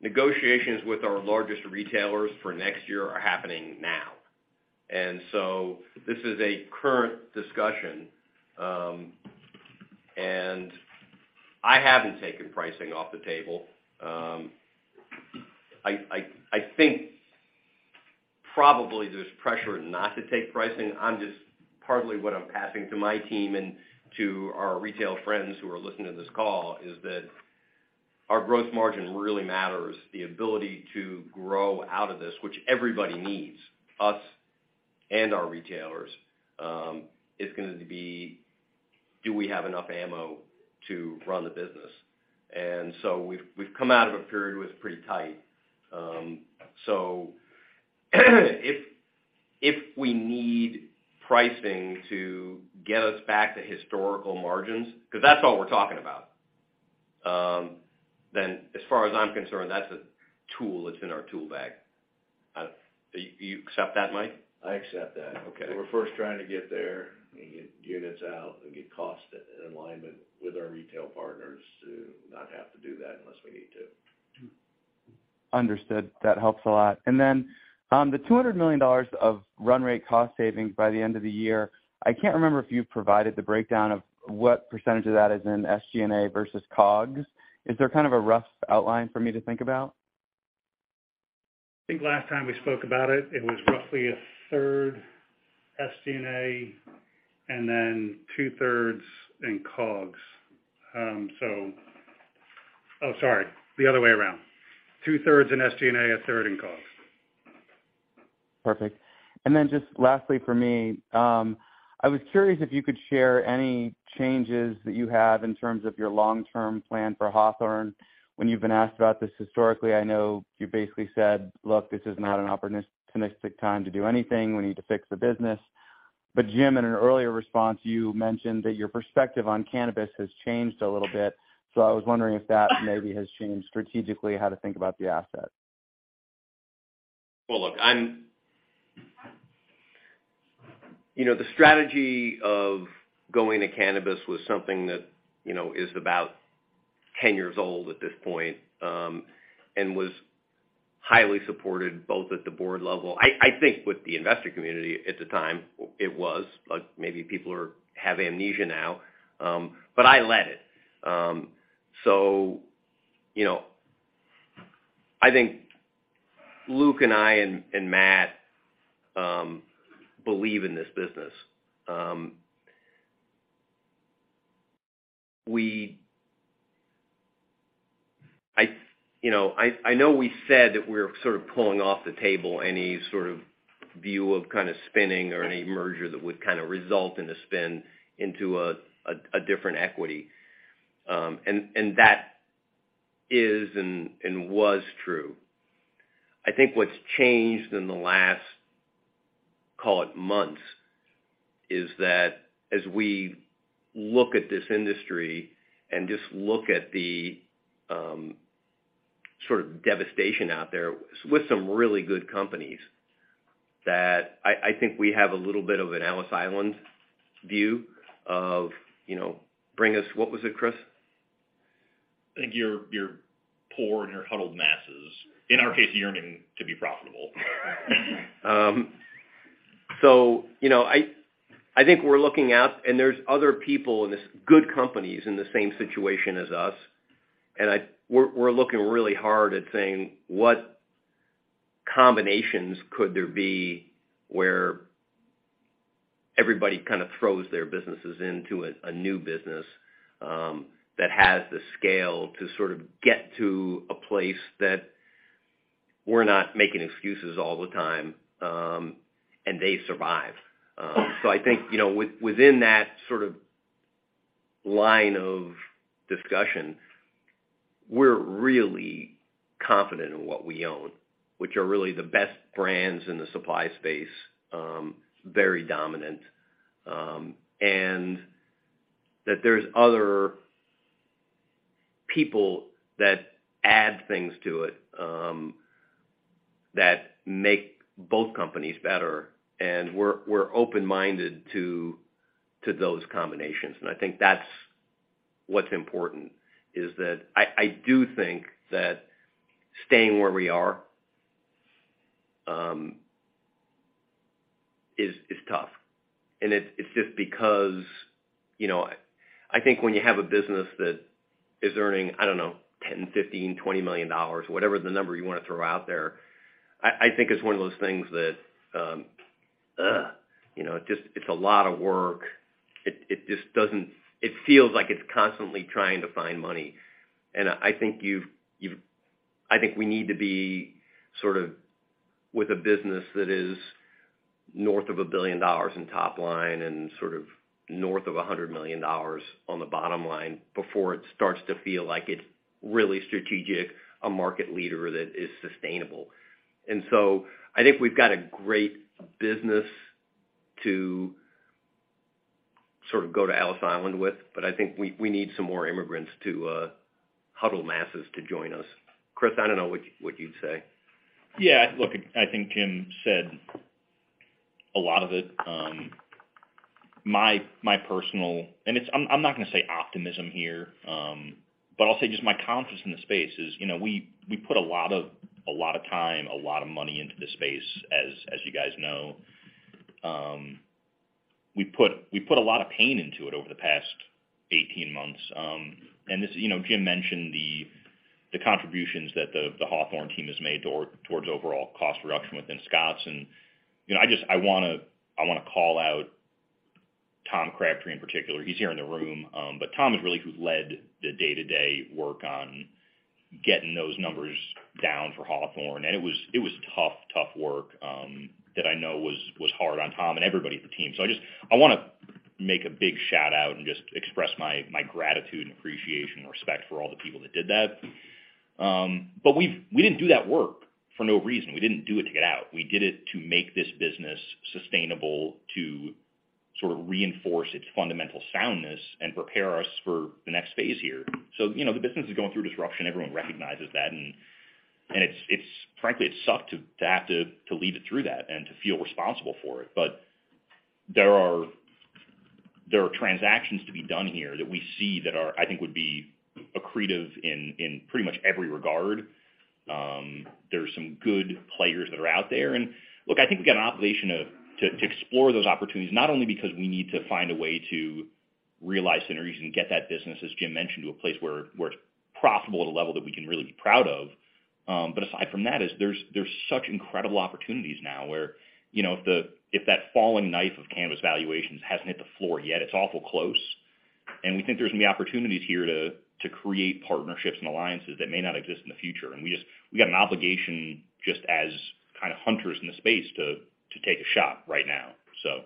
[SPEAKER 3] negotiations with our largest retailers for next year are happening now. This is a current discussion, and I haven't taken pricing off the table. I, I think probably there's pressure not to take pricing. partly what I'm passing to my team and to our retail friends who are listening to this call, is that our gross margin really matters. The ability to grow out of this, which everybody needs, us and our retailers, is going to be, do we have enough ammo to run the business? We've come out of a period where it's pretty tight. If we need pricing to get us back to historical margins, because that's all we're talking about, then as far as I'm concerned, that's a tool that's in our tool bag. Do you accept that, Mike?
[SPEAKER 4] I accept that.
[SPEAKER 3] Okay.
[SPEAKER 5] We're first trying to get there and get units out and get cost in alignment with our retail partners to not have to do that unless we need to.
[SPEAKER 12] Understood. That helps a lot. The $200 million of run rate cost savings by the end of the year, I can't remember if you provided the breakdown of what percentage of that is in SG&A versus COGS. Is there kind of a rough outline for me to think about?
[SPEAKER 5] I think last time we spoke about it was roughly a third SG&A and then two-thirds in COGS. Oh, sorry, the other way around. Two-thirds in SG&A, a third in COGS.
[SPEAKER 12] Perfect. Just lastly for me, I was curious if you could share any changes that you have in terms of your long-term plan for Hawthorne. When you've been asked about this historically, I know you basically said, "Look, this is not an opportunistic time to do anything. We need to fix the business." Jim, in an earlier response, you mentioned that your perspective on cannabis has changed a little bit, so I was wondering if that maybe has changed strategically how to think about the asset.
[SPEAKER 3] Well, look, I'm. You know, the strategy of going to cannabis was something that, you know, is about 10 years old at this point and was highly supported both at the board level. I think with the investor community at the time, it was. Maybe people have amnesia now. I led it. You know, I think Luke and I and Matt believe in this business. I, you know, I know we said that we're sort of pulling off the table any sort of view of kind of spinning or any merger that would kind of result in a spin into a different equity. That is and was true. I think what's changed in the last, call it months, is that as we look at this industry and just look at the sort of devastation out there with some really good companies that I think we have a little bit of an Ellis Island view of, you know, bring us... What was it, Chris?
[SPEAKER 10] I think you're poor and you're huddled masses. In our case, yearning to be profitable.
[SPEAKER 3] You know, I think we're looking out and there's other people in good companies in the same situation as us. We're looking really hard at saying what combinations could there be where everybody kind of throws their businesses into a new business that has the scale to sort of get to a place that we're not making excuses all the time and they survive. I think, you know, within that sort of line of discussion. We're really confident in what we own, which are really the best brands in the supply space, very dominant. That there's other people that add things to it that make both companies better, and we're open-minded to those combinations. I think that's what's important, is that I do think that staying where we are, is tough. It's just because, you know, I think when you have a business that is earning, I don't know, $10 million, $15 million, $20 million, whatever the number you wanna throw out there, I think it's one of those things that, you know, just it's a lot of work. It just doesn't feel like it's constantly trying to find money. I think we need to be sort of with a business that is north of $1 billion in top line and sort of north of $100 million on the bottom line before it starts to feel like it's really strategic, a market leader that is sustainable. I think we've got a great business to sort of go to Ellis Island with, but I think we need some more immigrants to huddle masses to join us. Chris, I don't know what you'd say.
[SPEAKER 10] Yeah. Look, I think Jim said a lot of it. My personal, I'm not gonna say optimism here, but I'll say just my confidence in the space is, you know, we put a lot of time, a lot of money into this space, as you guys know. We put a lot of pain into it over the past 18 months. This, you know, Jim mentioned the contributions that the Hawthorne team has made towards overall cost reduction within Scotts. You know, I wanna call out Tom Crabtree in particular. He's here in the room. Tom is really who led the day-to-day work on getting those numbers down for Hawthorne. It was tough work, that I know was hard on Tom and everybody at the team. I wanna make a big shout-out and just express my gratitude and appreciation and respect for all the people that did that. We didn't do that work for no reason. We didn't do it to get out. We did it to make this business sustainable, to sort of reinforce its fundamental soundness and prepare us for the next phase here. You know, the business is going through disruption. Everyone recognizes that. It's frankly, it sucked to have to lead it through that and to feel responsible for it. There are transactions to be done here that we see that I think would be accretive in pretty much every regard. There are some good players that are out there. Look, I think we've got an obligation to explore those opportunities, not only because we need to find a way to realize synergies and get that business, as Jim mentioned, to a place where it's profitable at a level that we can really be proud of. But aside from that is there's such incredible opportunities now where, you know, if that falling knife of Cannabis valuations hasn't hit the floor yet, it's awful close. We think there's gonna be opportunities here to create partnerships and alliances that may not exist in the future. We got an obligation just as kind of hunters in the space to take a shot right now, so.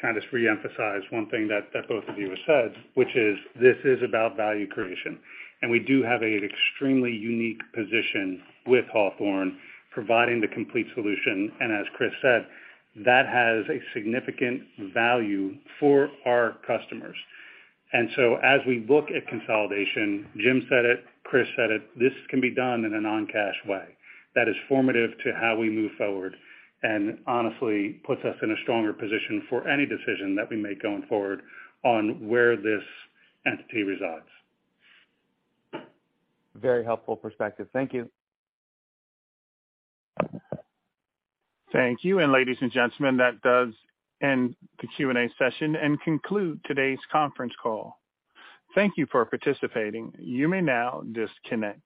[SPEAKER 5] Can I just reemphasize one thing that both of you have said, which is this is about value creation. We do have an extremely unique position with Hawthorne, providing the complete solution. As Chris said, that has a significant value for our customers. As we look at consolidation, Jim said it, Chris said it, this can be done in a non-cash way that is formative to how we move forward, and honestly, puts us in a stronger position for any decision that we make going forward on where this entity resides.
[SPEAKER 1] Very helpful perspective. Thank you. Thank you. Ladies and gentlemen, that does end the Q&A session and conclude today's conference call. Thank you for participating. You may now disconnect.